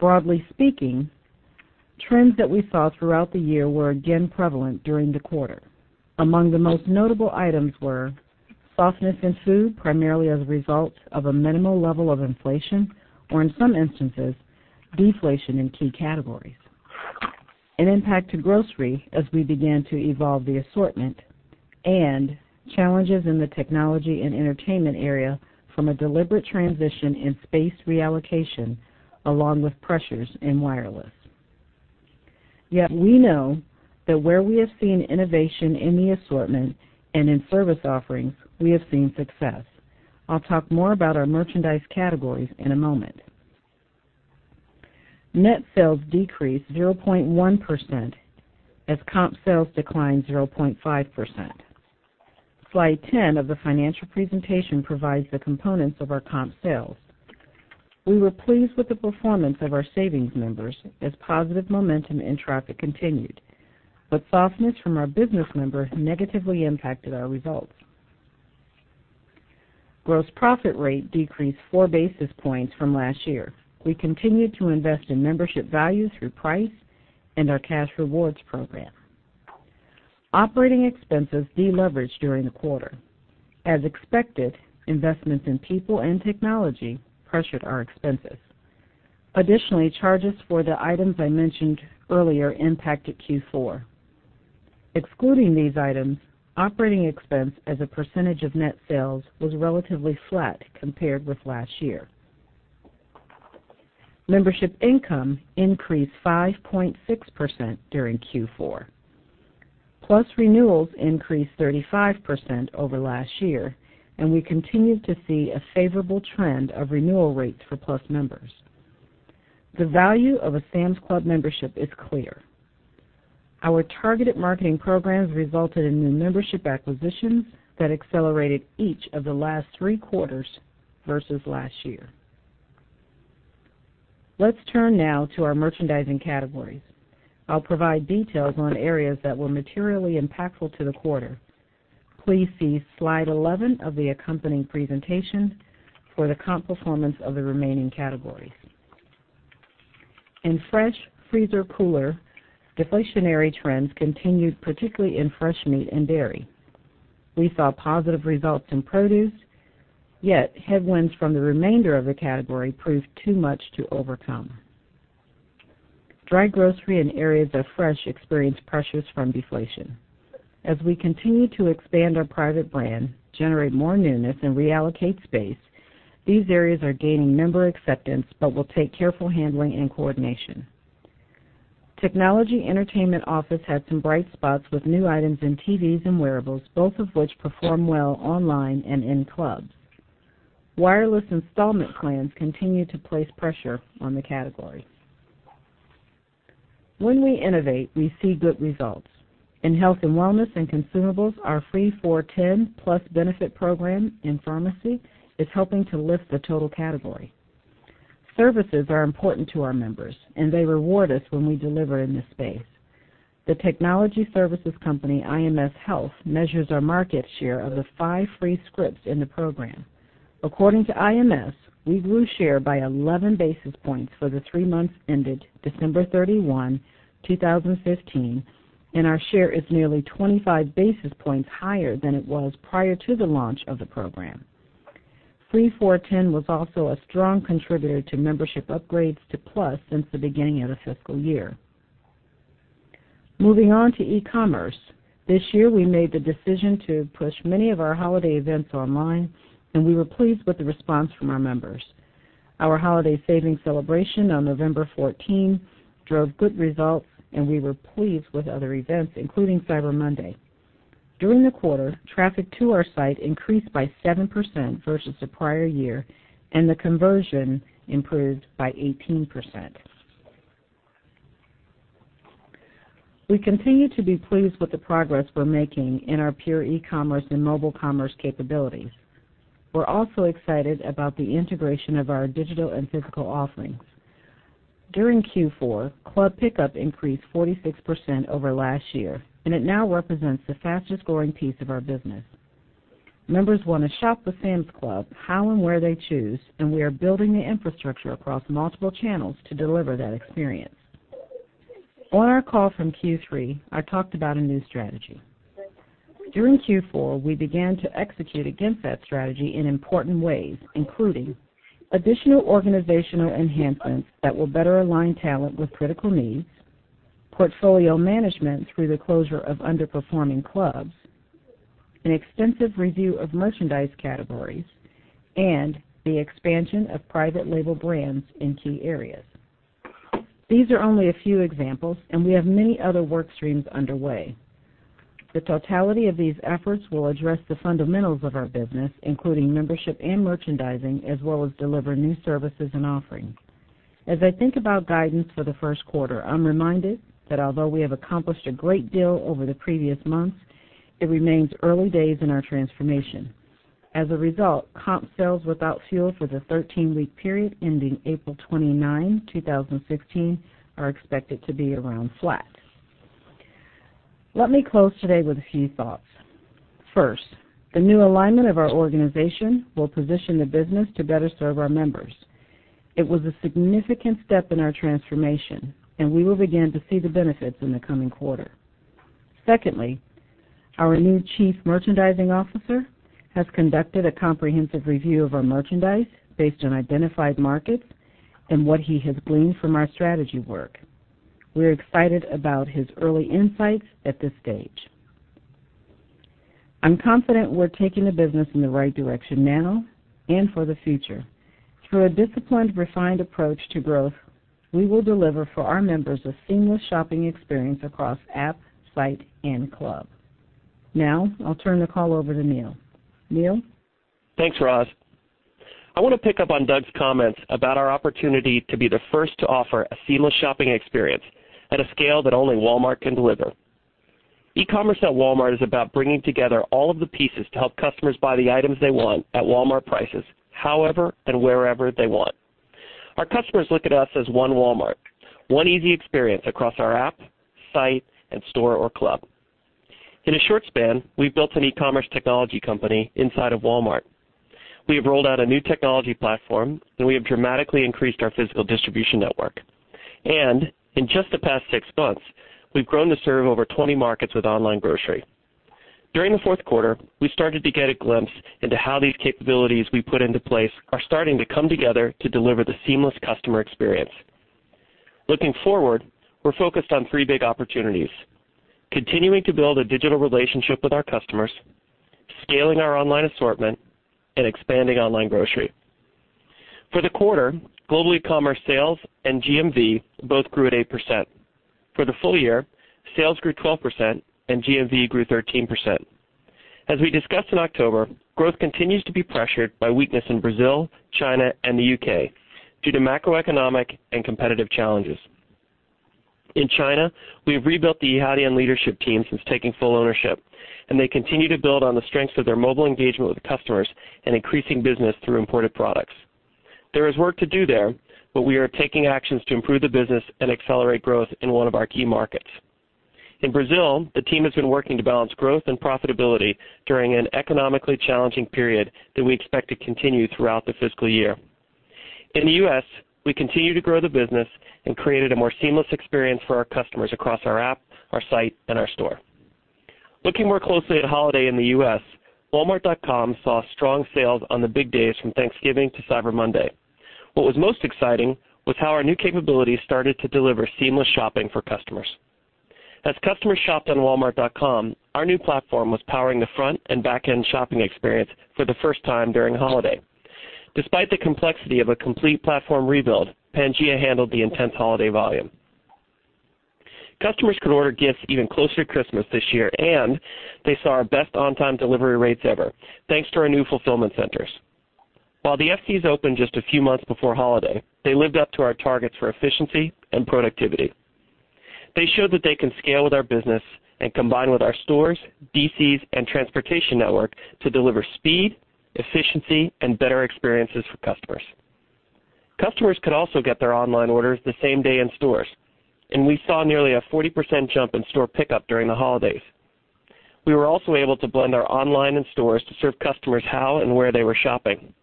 Broadly speaking, trends that we saw throughout the year were again prevalent during the quarter. Among the most notable items were softness in food, primarily as a result of a minimal level of inflation, or in some instances, deflation in key categories, an impact to grocery as we began to evolve the assortment, and challenges in the technology and entertainment area from a deliberate transition in space reallocation, along with pressures in wireless. Yet we know that where we have seen innovation in the assortment and in service offerings, we have seen success. I'll talk more about our merchandise categories in a moment. Net sales decreased 0.1% as comp sales declined 0.5%. Slide 10 of the financial presentation provides the components of our comp sales. We were pleased with the performance of our savings members as positive momentum in traffic continued, but softness from our business members negatively impacted our results. Gross profit rate decreased four basis points from last year. We continued to invest in membership value through price and our cash rewards program. Operating expenses deleveraged during the quarter. As expected, investments in people and technology pressured our expenses. Additionally, charges for the items I mentioned earlier impacted Q4. Excluding these items, operating expense as a percentage of net sales was relatively flat compared with last year. Membership income increased 5.6% during Q4. Plus renewals increased 35% over last year, and we continued to see a favorable trend of renewal rates for Plus members. The value of a Sam's Club membership is clear. Our targeted marketing programs resulted in new membership acquisitions that accelerated each of the last three quarters versus last year. Let's turn now to our merchandising categories. I'll provide details on areas that were materially impactful to the quarter. Please see slide 11 of the accompanying presentation for the comp performance of the remaining categories. In fresh, freezer, cooler, deflationary trends continued, particularly in fresh meat and dairy. We saw positive results in produce, yet headwinds from the remainder of the category proved too much to overcome. Dry grocery and areas of fresh experienced pressures from deflation. As we continue to expand our private brand, generate more newness, and reallocate space, these areas are gaining member acceptance but will take careful handling and coordination. Technology entertainment office had some bright spots with new items in TVs and wearables, both of which perform well online and in clubs. Wireless installment plans continue to place pressure on the category. When we innovate, we see good results. In health and wellness and consumables, our Free for 10 Plus benefit program in pharmacy is helping to lift the total category. Services are important to our members, and they reward us when we deliver in this space. The technology services company IMS Health measures our market share of the five free scripts in the program. According to IMS, we grew share by 11 basis points for the three months ended December 31, 2015, and our share is nearly 25 basis points higher than it was prior to the launch of the program. Free for 10 was also a strong contributor to membership upgrades to Plus since the beginning of the fiscal year. Moving on to e-commerce. This year, we made the decision to push many of our holiday events online, and we were pleased with the response from our members. Our holiday savings celebration on November 14 drove good results, and we were pleased with other events, including Cyber Monday. During the quarter, traffic to our site increased by 7% versus the prior year, and the conversion improved by 18%. We continue to be pleased with the progress we're making in our pure e-commerce and mobile commerce capabilities. We're also excited about the integration of our digital and physical offerings. During Q4, club pickup increased 46% over last year, and it now represents the fastest-growing piece of our business. Members want to shop with Sam's Club how and where they choose, and we are building the infrastructure across multiple channels to deliver that experience. On our call from Q3, I talked about a new strategy. During Q4, we began to execute against that strategy in important ways, including additional organizational enhancements that will better align talent with critical needs, portfolio management through the closure of underperforming clubs, an extensive review of merchandise categories, and the expansion of private label brands in key areas. These are only a few examples, and we have many other work streams underway. The totality of these efforts will address the fundamentals of our business, including membership and merchandising, as well as deliver new services and offerings. As I think about guidance for the first quarter, I'm reminded that although we have accomplished a great deal over the previous months, it remains early days in our transformation. As a result, comp sales without fuel for the 13-week period ending April 29, 2016, are expected to be around flat. Let me close today with a few thoughts. First, the new alignment of our organization will position the business to better serve our members. It was a significant step in our transformation, and we will begin to see the benefits in the coming quarter. Secondly, our new chief merchandising officer has conducted a comprehensive review of our merchandise based on identified markets and what he has gleaned from our strategy work. We're excited about his early insights at this stage. I'm confident we're taking the business in the right direction now and for the future. Through a disciplined, refined approach to growth, we will deliver for our members a seamless shopping experience across app, site, and club. Now, I'll turn the call over to Neil. Neil? Thanks, Roz. I want to pick up on Doug's comments about our opportunity to be the first to offer a seamless shopping experience at a scale that only Walmart can deliver. E-commerce at Walmart is about bringing together all of the pieces to help customers buy the items they want at Walmart prices, however and wherever they want. Our customers look at us as one Walmart, one easy experience across our app, site, and store or club. In a short span, we've built an e-commerce technology company inside of Walmart. We have rolled out a new technology platform, and we have dramatically increased our physical distribution network. In just the past six months, we've grown to serve over 20 markets with online grocery. During the fourth quarter, we started to get a glimpse into how these capabilities we put into place are starting to come together to deliver the seamless customer experience. Looking forward, we're focused on three big opportunities: continuing to build a digital relationship with our customers, scaling our online assortment, and expanding online grocery. For the quarter, global e-commerce sales and GMV both grew at 8%. For the full year, sales grew 12% and GMV grew 13%. As we discussed in October, growth continues to be pressured by weakness in Brazil, China, and the U.K. due to macroeconomic and competitive challenges. In China, we have rebuilt the Yihaodian leadership team since taking full ownership, and they continue to build on the strengths of their mobile engagement with customers and increasing business through imported products. There is work to do there, but we are taking actions to improve the business and accelerate growth in one of our key markets. In Brazil, the team has been working to balance growth and profitability during an economically challenging period that we expect to continue throughout the fiscal year. In the U.S., we continue to grow the business and created a more seamless experience for our customers across our app, our site, and our store. Looking more closely at holiday in the U.S., walmart.com saw strong sales on the big days from Thanksgiving to Cyber Monday. What was most exciting was how our new capabilities started to deliver seamless shopping for customers. As customers shopped on walmart.com, our new platform was powering the front and back-end shopping experience for the first time during holiday. Despite the complexity of a complete platform rebuild, Pangaea handled the intense holiday volume. Customers could order gifts even closer to Christmas this year, and they saw our best on-time delivery rates ever, thanks to our new fulfillment centers. While the FCs opened just a few months before holiday, they lived up to our targets for efficiency and productivity. They showed that they can scale with our business and combine with our stores, DCs, and transportation network to deliver speed, efficiency, and better experiences for customers. Customers could also get their online orders the same day in stores, and we saw nearly a 40% jump in store pickup during the holidays. We were also able to blend our online and stores to serve customers how and where they were shopping.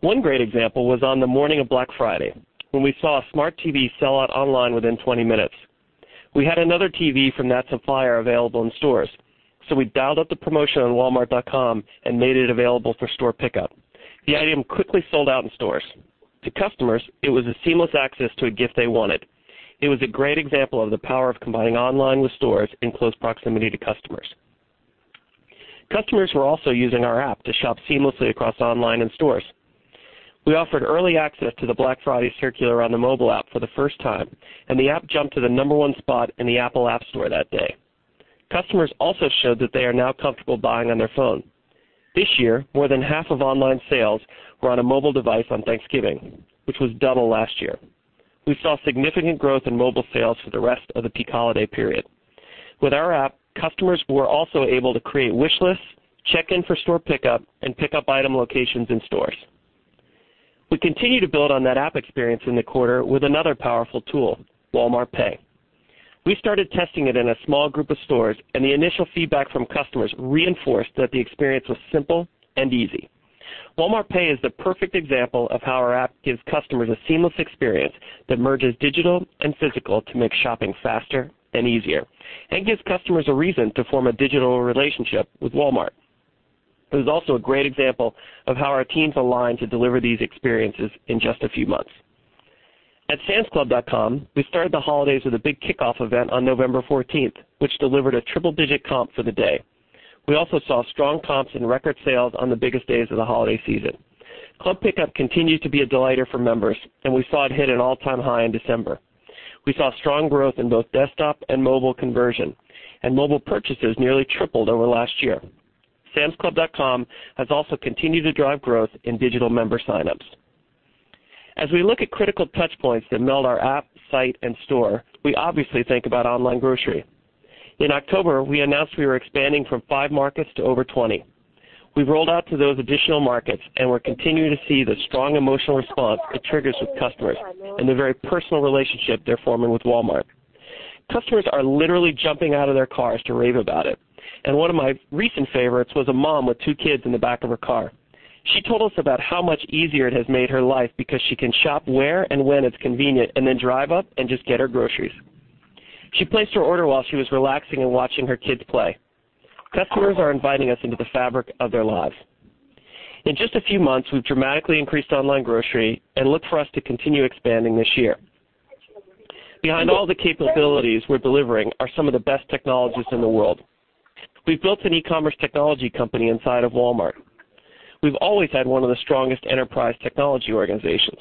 One great example was on the morning of Black Friday, when we saw a smart TV sell out online within 20 minutes. We had another TV from that supplier available in stores, so we dialed up the promotion on walmart.com and made it available for store pickup. The item quickly sold out in stores. To customers, it was a seamless access to a gift they wanted. It was a great example of the power of combining online with stores in close proximity to customers. Customers were also using our app to shop seamlessly across online and stores. We offered early access to the Black Friday circular on the mobile app for the first time, and the app jumped to the number one spot in the Apple App Store that day. Customers also showed that they are now comfortable buying on their phone. This year, more than half of online sales were on a mobile device on Thanksgiving, which was double last year. We saw significant growth in mobile sales for the rest of the peak holiday period. With our app, customers were also able to create wish lists, check in for store pickup, and pick up item locations in stores. We continue to build on that app experience in the quarter with another powerful tool, Walmart Pay. We started testing it in a small group of stores, and the initial feedback from customers reinforced that the experience was simple and easy. Walmart Pay is the perfect example of how our app gives customers a seamless experience that merges digital and physical to make shopping faster and easier and gives customers a reason to form a digital relationship with Walmart. It is also a great example of how our teams align to deliver these experiences in just a few months. At samsclub.com, we started the holidays with a big kickoff event on November 14th, which delivered a triple-digit comp for the day. We also saw strong comps and record sales on the biggest days of the holiday season. Club Pickup continued to be a delighter for members, and we saw it hit an all-time high in December. We saw strong growth in both desktop and mobile conversion, and mobile purchases nearly tripled over last year. samsclub.com has also continued to drive growth in digital member sign-ups. As we look at critical touch points that meld our app, site, and store, we obviously think about online grocery. In October, we announced we were expanding from five markets to over 20. We've rolled out to those additional markets, and we're continuing to see the strong emotional response it triggers with customers and the very personal relationship they're forming with Walmart. Customers are literally jumping out of their cars to rave about it, and one of my recent favorites was a mom with two kids in the back of her car. She told us about how much easier it has made her life because she can shop where and when it's convenient and then drive up and just get her groceries. She placed her order while she was relaxing and watching her kids play. Customers are inviting us into the fabric of their lives. In just a few months, we've dramatically increased online grocery and look for us to continue expanding this year. Behind all the capabilities we're delivering are some of the best technologists in the world. We've built an e-commerce technology company inside of Walmart. We've always had one of the strongest enterprise technology organizations.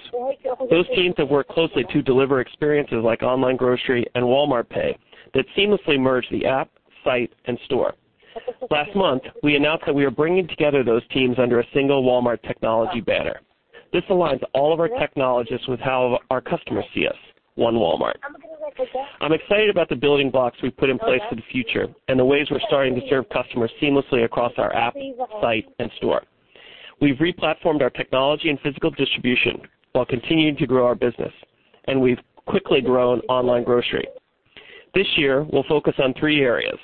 Those teams have worked closely to deliver experiences like online grocery and Walmart Pay that seamlessly merge the app, site, and store. Last month, we announced that we are bringing together those teams under a single Walmart technology banner. This aligns all of our technologists with how our customers see us, one Walmart. I'm excited about the building blocks we've put in place for the future and the ways we're starting to serve customers seamlessly across our app, site, and store. We've re-platformed our technology and physical distribution while continuing to grow our business, and we've quickly grown online grocery. This year, we'll focus on three areas,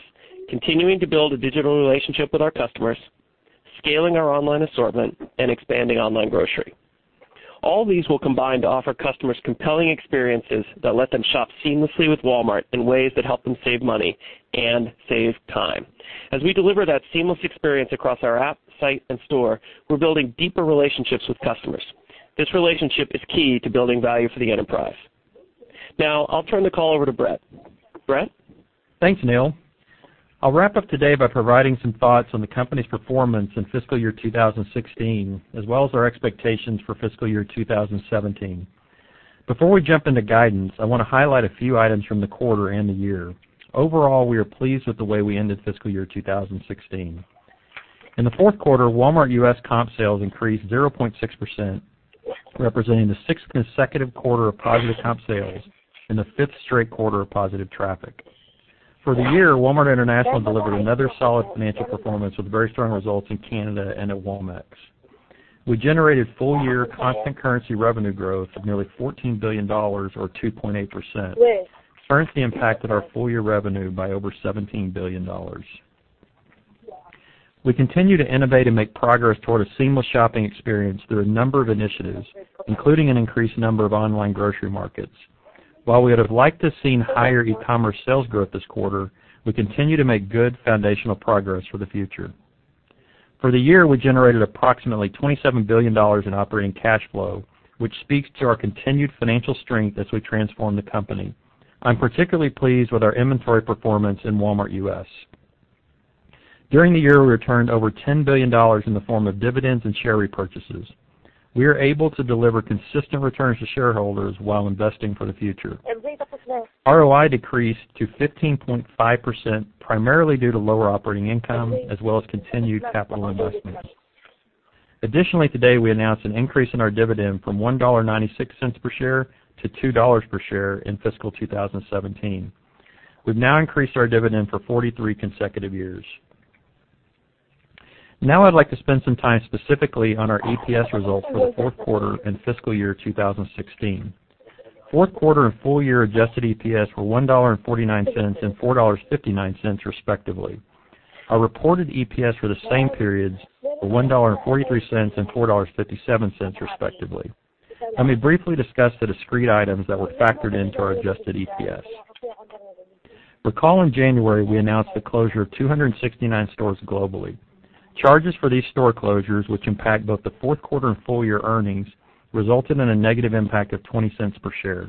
continuing to build a digital relationship with our customers, scaling our online assortment, and expanding online grocery. All these will combine to offer customers compelling experiences that let them shop seamlessly with Walmart in ways that help them save money and save time. As we deliver that seamless experience across our app, site, and store, we're building deeper relationships with customers. This relationship is key to building value for the enterprise. Now, I'll turn the call over to Brett. Brett? Thanks, Neil. I'll wrap up today by providing some thoughts on the company's performance in fiscal year 2016, as well as our expectations for fiscal year 2017. Before we jump into guidance, I want to highlight a few items from the quarter and the year. Overall, we are pleased with the way we ended fiscal year 2016. In the fourth quarter, Walmart U.S. comp sales increased 0.6%, representing the sixth consecutive quarter of positive comp sales and the fifth straight quarter of positive traffic. For the year, Walmart International delivered another solid financial performance with very strong results in Canada and at Walmex. We generated full-year constant currency revenue growth of nearly $14 billion or 2.8%, earning the impact of our full-year revenue by over $17 billion. We continue to innovate and make progress toward a seamless shopping experience through a number of initiatives, including an increased number of online grocery markets. While we would have liked to seen higher e-commerce sales growth this quarter, we continue to make good foundational progress for the future. For the year, we generated approximately $27 billion in operating cash flow, which speaks to our continued financial strength as we transform the company. I'm particularly pleased with our inventory performance in Walmart U.S. During the year, we returned over $10 billion in the form of dividends and share repurchases. We are able to deliver consistent returns to shareholders while investing for the future. ROI decreased to 15.5%, primarily due to lower operating income, as well as continued capital investments. Additionally, today, we announced an increase in our dividend from $1.96 per share to $2 per share in fiscal 2017. We've now increased our dividend for 43 consecutive years. Now I'd like to spend some time specifically on our EPS results for the fourth quarter and fiscal year 2016. Fourth quarter and full-year adjusted EPS were $1.49 and $4.59 respectively. Our reported EPS for the same periods were $1.43 and $4.57 respectively. Let me briefly discuss the discrete items that were factored into our adjusted EPS. Recall in January, we announced the closure of 269 stores globally. Charges for these store closures, which impact both the fourth quarter and full-year earnings, resulted in a negative impact of $0.20 per share.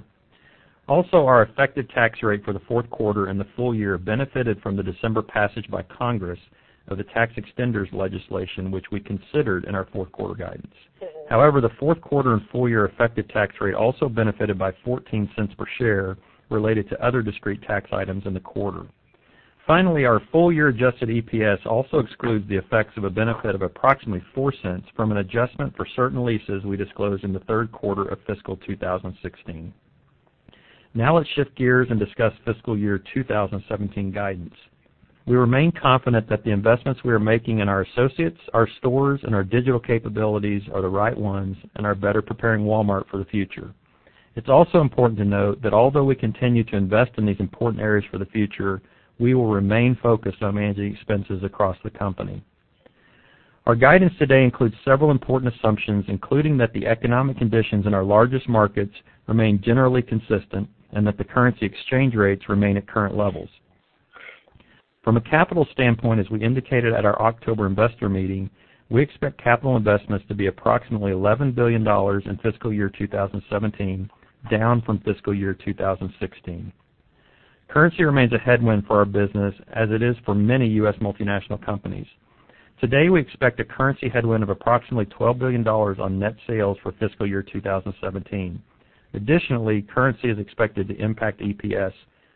Also, our effective tax rate for the fourth quarter and the full year benefited from the December passage by Congress of the tax extenders legislation, which we considered in our fourth-quarter guidance. However, the fourth quarter and full-year effective tax rate also benefited by $0.14 per share related to other discrete tax items in the quarter. Finally, our full-year adjusted EPS also excludes the effects of a benefit of approximately $0.04 from an adjustment for certain leases we disclosed in the third quarter of fiscal year 2016. Now let's shift gears and discuss fiscal year 2017 guidance. We remain confident that the investments we are making in our associates, our stores, and our digital capabilities are the right ones and are better preparing Walmart for the future. It's also important to note that although we continue to invest in these important areas for the future, we will remain focused on managing expenses across the company. Our guidance today includes several important assumptions, including that the economic conditions in our largest markets remain generally consistent and that the currency exchange rates remain at current levels. From a capital standpoint, as we indicated at our October investor meeting, we expect capital investments to be approximately $11 billion in fiscal year 2017, down from fiscal year 2016. Currency remains a headwind for our business, as it is for many U.S. multinational companies. Today, we expect a currency headwind of approximately $12 billion on net sales for fiscal year 2017. Additionally, currency is expected to impact EPS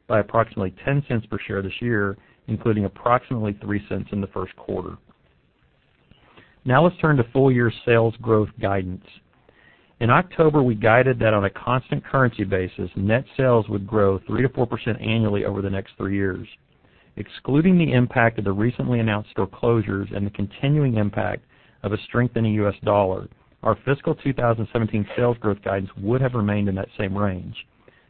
by approximately $0.10 per share this year, including approximately $0.03 in the first quarter. Now let's turn to full-year sales growth guidance. In October, we guided that on a constant currency basis, net sales would grow 3%-4% annually over the next three years. Excluding the impact of the recently announced store closures and the continuing impact of a strengthening U.S. dollar, our fiscal year 2017 sales growth guidance would have remained in that same range.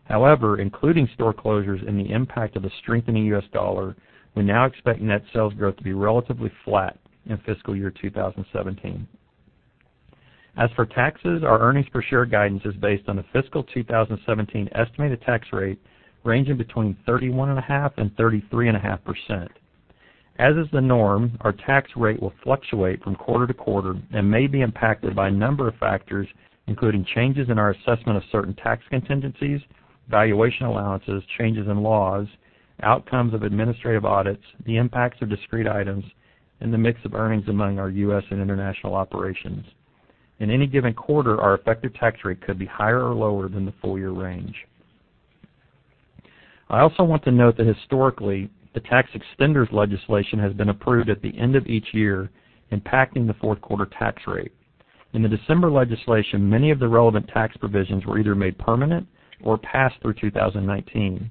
However, including store closures and the impact of the strengthening U.S. dollar, we now expect net sales growth to be relatively flat in fiscal year 2017. As for taxes, our earnings per share guidance is based on a fiscal year 2017 estimated tax rate ranging between 31.5%-33.5%. As is the norm, our tax rate will fluctuate from quarter to quarter and may be impacted by a number of factors, including changes in our assessment of certain tax contingencies, valuation allowances, changes in laws, outcomes of administrative audits, the impacts of discrete items, and the mix of earnings among our U.S. and international operations. In any given quarter, our effective tax rate could be higher or lower than the full-year range. I also want to note that historically, the tax extenders legislation has been approved at the end of each year, impacting the fourth quarter tax rate. In the December legislation, many of the relevant tax provisions were either made permanent or passed through 2019.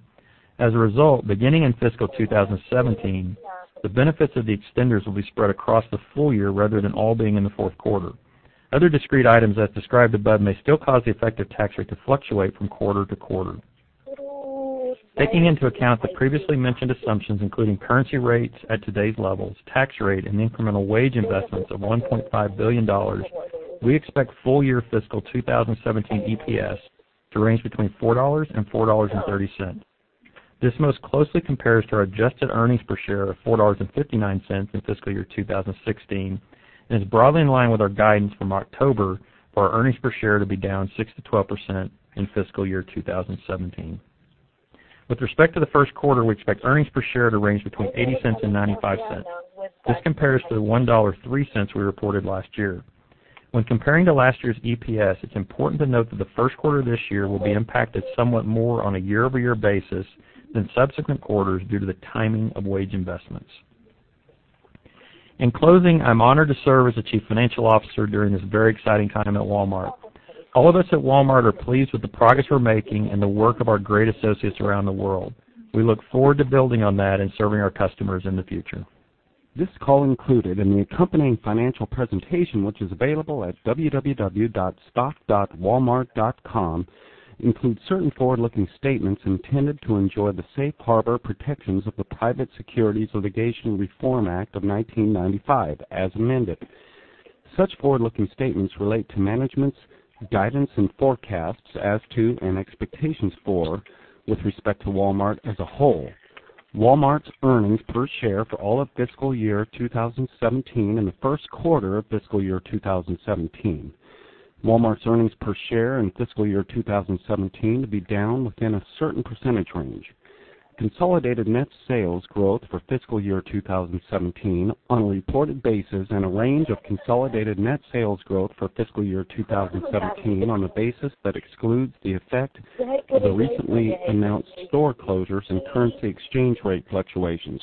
As a result, beginning in fiscal year 2017, the benefits of the extenders will be spread across the full year rather than all being in the fourth quarter. Other discrete items as described above may still cause the effective tax rate to fluctuate from quarter to quarter. Taking into account the previously mentioned assumptions, including currency rates at today's levels, tax rate, and incremental wage investments of $1.5 billion, we expect full-year fiscal year 2017 EPS to range between $4 and $4.30. This most closely compares to our adjusted earnings per share of $4.59 in fiscal year 2016 and is broadly in line with our guidance from October for our earnings per share to be down 6%-12% in fiscal year 2017. With respect to the first quarter, we expect earnings per share to range between $0.80 and $0.95. This compares to the $1.03 we reported last year. When comparing to last year's EPS, it's important to note that the first quarter this year will be impacted somewhat more on a year-over-year basis than subsequent quarters due to the timing of wage investments. In closing, I'm honored to serve as the Chief Financial Officer during this very exciting time at Walmart. All of us at Walmart are pleased with the progress we're making and the work of our great associates around the world. We look forward to building on that and serving our customers in the future. This call, including the accompanying financial presentation, which is available at www.stock.walmart.com, includes certain forward-looking statements intended to enjoy the safe harbor protections of the Private Securities Litigation Reform Act of 1995 as amended. Such forward-looking statements relate to management's guidance and forecasts as to, and expectations for, with respect to Walmart as a whole. Walmart's earnings per share for all of fiscal year 2017 and the first quarter of fiscal year 2017. Walmart's earnings per share in fiscal year 2017 to be down within a certain percentage range. Consolidated net sales growth for fiscal year 2017 on a reported basis, and a range of consolidated net sales growth for fiscal year 2017 on a basis that excludes the effect of the recently announced store closures and currency exchange rate fluctuations.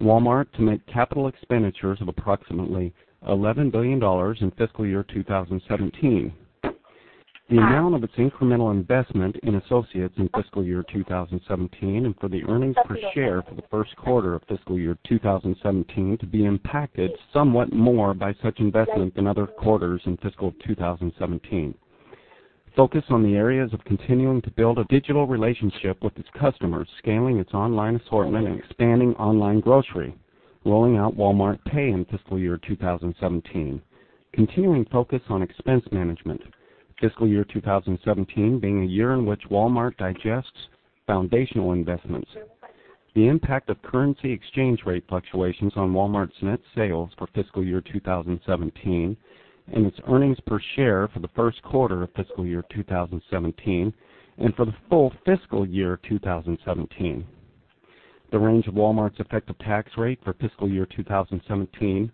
Walmart to make capital expenditures of approximately $11 billion in fiscal year 2017. The amount of its incremental investment in associates in fiscal year 2017 and for the earnings per share for the first quarter of fiscal year 2017 to be impacted somewhat more by such investment than other quarters in fiscal 2017. Focus on the areas of continuing to build a digital relationship with its customers, scaling its online assortment, and expanding online grocery. Rolling out Walmart Pay in fiscal year 2017. Continuing focus on expense management. Fiscal year 2017 being a year in which Walmart digests foundational investments. The impact of currency exchange rate fluctuations on Walmart's net sales for fiscal year 2017 and its earnings per share for the first quarter of fiscal year 2017 and for the full fiscal year 2017. The range of Walmart's effective tax rate for fiscal year 2017,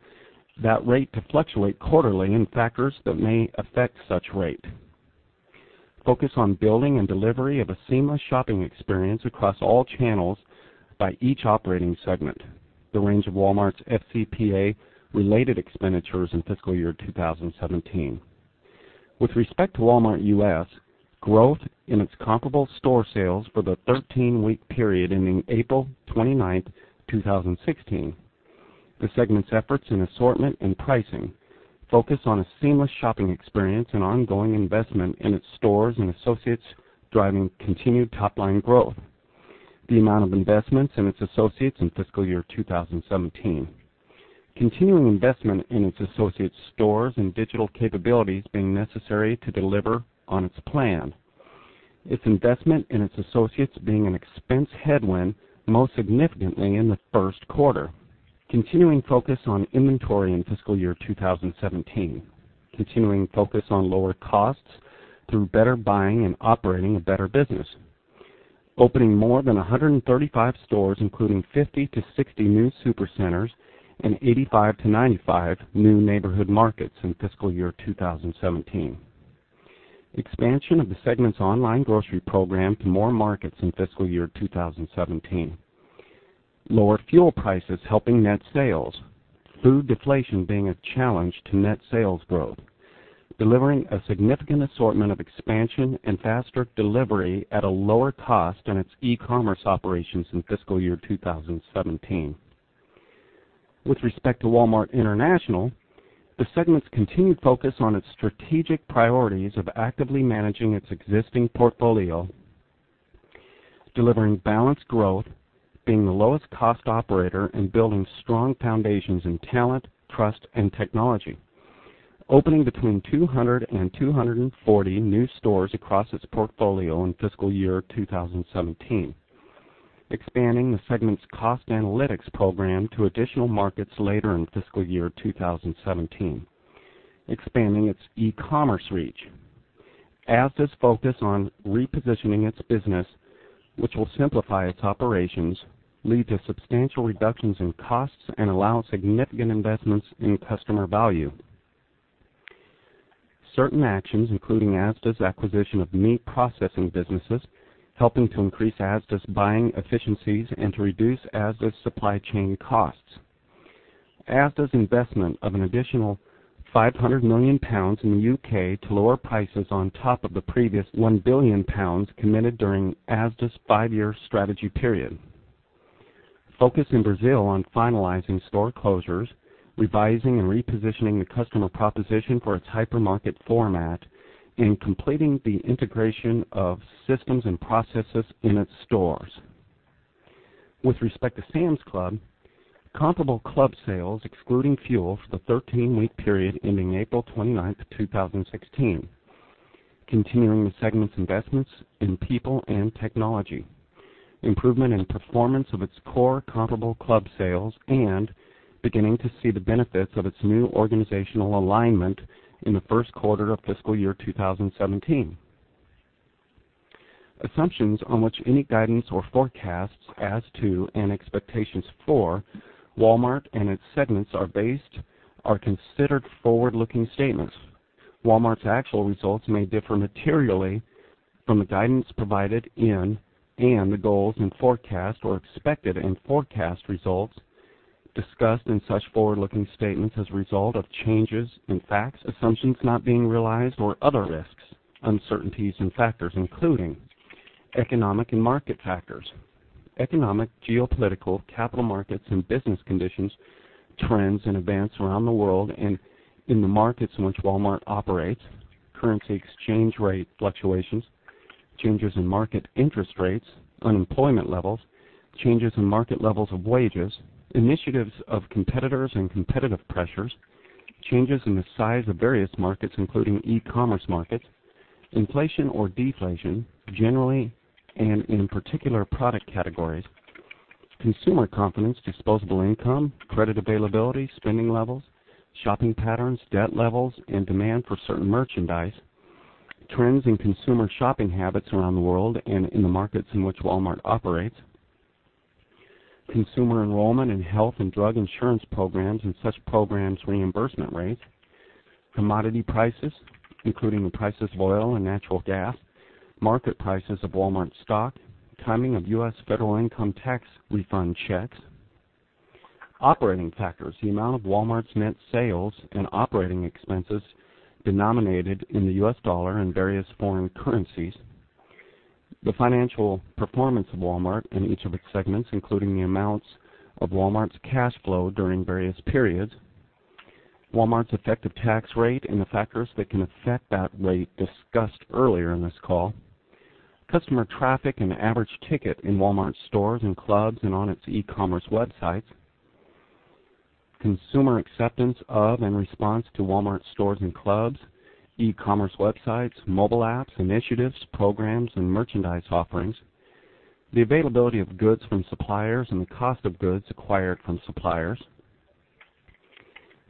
that rate to fluctuate quarterly, and factors that may affect such rate. Focus on building and delivery of a seamless shopping experience across all channels by each operating segment. The range of Walmart's FCPA-related expenditures in fiscal year 2017. With respect to Walmart U.S., growth in its comparable store sales for the 13-week period ending April 29th, 2016. The segment's efforts in assortment and pricing. Focus on a seamless shopping experience and ongoing investment in its stores and associates driving continued top-line growth. The amount of investments in its associates in fiscal year 2017. Continuing investment in its associates stores and digital capabilities being necessary to deliver on its plan. Its investment in its associates being an expense headwind, most significantly in the first quarter. Continuing focus on inventory in fiscal year 2017. Continuing focus on lower costs through better buying and operating a better business. Opening more than 135 stores, including 50 to 60 new Supercenters and 85 to 95 new Neighborhood Markets in fiscal year 2017. Expansion of the segment's online grocery program to more markets in fiscal year 2017. Lower fuel prices helping net sales. Food deflation being a challenge to net sales growth. Delivering a significant assortment of expansion and faster delivery at a lower cost in its e-commerce operations in fiscal year 2017. With respect to Walmart International, the segment's continued focus on its strategic priorities of actively managing its existing portfolio, delivering balanced growth, being the lowest cost operator, and building strong foundations in talent, trust, and technology. Opening between 200 and 240 new stores across its portfolio in fiscal year 2017. Expanding the segment's cost analytics program to additional markets later in fiscal year 2017. Expanding its e-commerce reach. Asda's focus on repositioning its business, which will simplify its operations, lead to substantial reductions in costs, and allow significant investments in customer value. Certain actions, including Asda's acquisition of meat processing businesses, helping to increase Asda's buying efficiencies and to reduce Asda's supply chain costs. Asda's investment of an additional 500 million pounds in the U.K. to lower prices on top of the previous 1 billion pounds committed during Asda's five-year strategy period. Focus in Brazil on finalizing store closures, revising and repositioning the customer proposition for its hypermarket format, and completing the integration of systems and processes in its stores. With respect to Sam's Club, comparable club sales excluding fuel for the 13-week period ending April 29th, 2016. Continuing the segment's investments in people and technology. Improvement in performance of its core comparable club sales and beginning to see the benefits of its new organizational alignment in the first quarter of fiscal year 2017. Assumptions on which any guidance or forecasts as to, and expectations for, Walmart and its segments are based are considered forward-looking statements. Walmart's actual results may differ materially from the guidance provided in and the goals and forecasts or expected and forecast results discussed in such forward-looking statements as a result of changes in facts, assumptions not being realized or other risks, uncertainties and factors including economic and market factors. Economic, geopolitical, capital markets and business conditions, trends and events around the world and in the markets in which Walmart operates. Currency exchange rate fluctuations. Changes in market interest rates. Unemployment levels. Changes in market levels of wages. Initiatives of competitors and competitive pressures. Changes in the size of various markets, including e-commerce markets. Inflation or deflation, generally, and in particular product categories. Consumer confidence, disposable income, credit availability, spending levels, shopping patterns, debt levels, and demand for certain merchandise. Trends in consumer shopping habits around the world and in the markets in which Walmart operates. Consumer enrollment in health and drug insurance programs and such programs' reimbursement rates. Commodity prices, including the prices of oil and natural gas. Market prices of Walmart stock. Timing of U.S. federal income tax refund checks. Operating factors. The amount of Walmart's net sales and operating expenses denominated in the U.S. dollar and various foreign currencies. The financial performance of Walmart and each of its segments, including the amounts of Walmart's cash flow during various periods. Walmart's effective tax rate and the factors that can affect that rate discussed earlier in this call. Customer traffic and the average ticket in Walmart stores and clubs and on its e-commerce websites. Consumer acceptance of and response to Walmart stores and clubs, e-commerce websites, mobile apps, initiatives, programs and merchandise offerings. The availability of goods from suppliers and the cost of goods acquired from suppliers.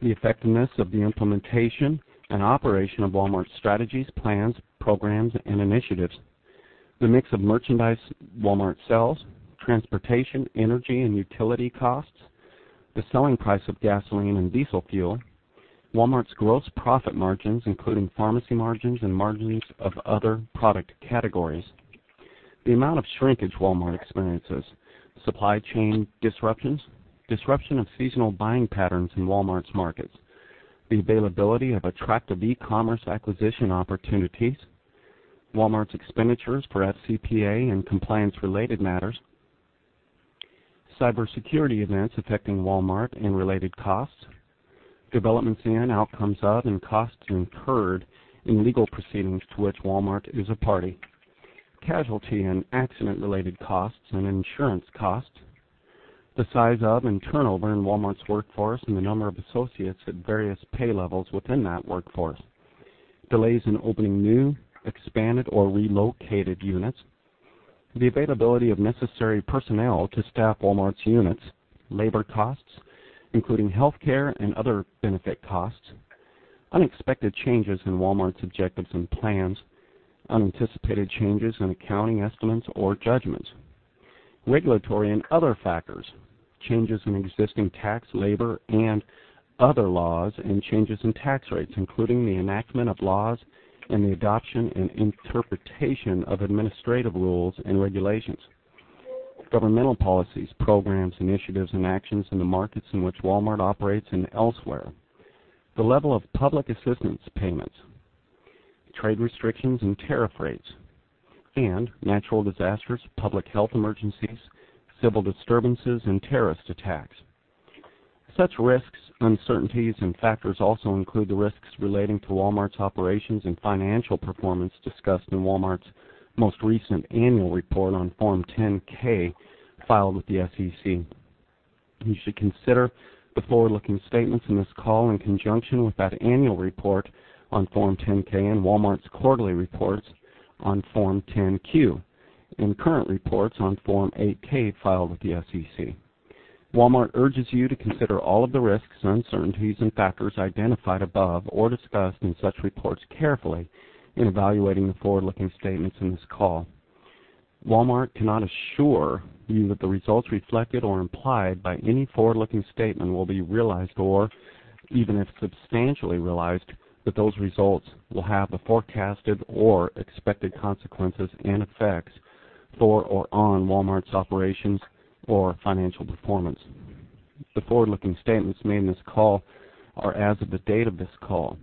The effectiveness of the implementation and operation of Walmart's strategies, plans, programs and initiatives. The mix of merchandise Walmart sells. Transportation, energy and utility costs. The selling price of gasoline and diesel fuel. Walmart's gross profit margins, including pharmacy margins and margins of other product categories. The amount of shrinkage Walmart experiences. Supply chain disruptions. Disruption of seasonal buying patterns in Walmart's markets. The availability of attractive e-commerce acquisition opportunities. Walmart's expenditures for FCPA and compliance-related matters. Cybersecurity events affecting Walmart and related costs. Developments in, outcomes of, and costs incurred in legal proceedings to which Walmart is a party. Casualty and accident-related costs and insurance costs. The size of and turnover in Walmart's workforce and the number of associates at various pay levels within that workforce. Delays in opening new, expanded, or relocated units. The availability of necessary personnel to staff Walmart's units. Labor costs, including healthcare and other benefit costs. Unexpected changes in Walmart's objectives and plans. Unanticipated changes in accounting estimates or judgments. Regulatory and other factors. Changes in existing tax, labor, and other laws, and changes in tax rates, including the enactment of laws and the adoption and interpretation of administrative rules and regulations. Governmental policies, programs, initiatives, and actions in the markets in which Walmart operates and elsewhere. The level of public assistance payments. Trade restrictions and tariff rates, and natural disasters, public health emergencies, civil disturbances, and terrorist attacks. Such risks, uncertainties, and factors also include the risks relating to Walmart's operations and financial performance discussed in Walmart's most recent annual report on Form 10-K filed with the SEC. You should consider the forward-looking statements in this call in conjunction with that annual report on Form 10-K and Walmart's quarterly reports on Form 10-Q and current reports on Form 8-K filed with the SEC. Walmart urges you to consider all of the risks, uncertainties, and factors identified above or discussed in such reports carefully in evaluating the forward-looking statements in this call. Walmart cannot assure you that the results reflected or implied by any forward-looking statement will be realized or, even if substantially realized, that those results will have the forecasted or expected consequences and effects for or on Walmart's operations or financial performance. The forward-looking statements made in this call are as of the date of this call.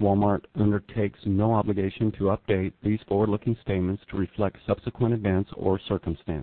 Walmart undertakes no obligation to update these forward-looking statements to reflect subsequent events or circumstances.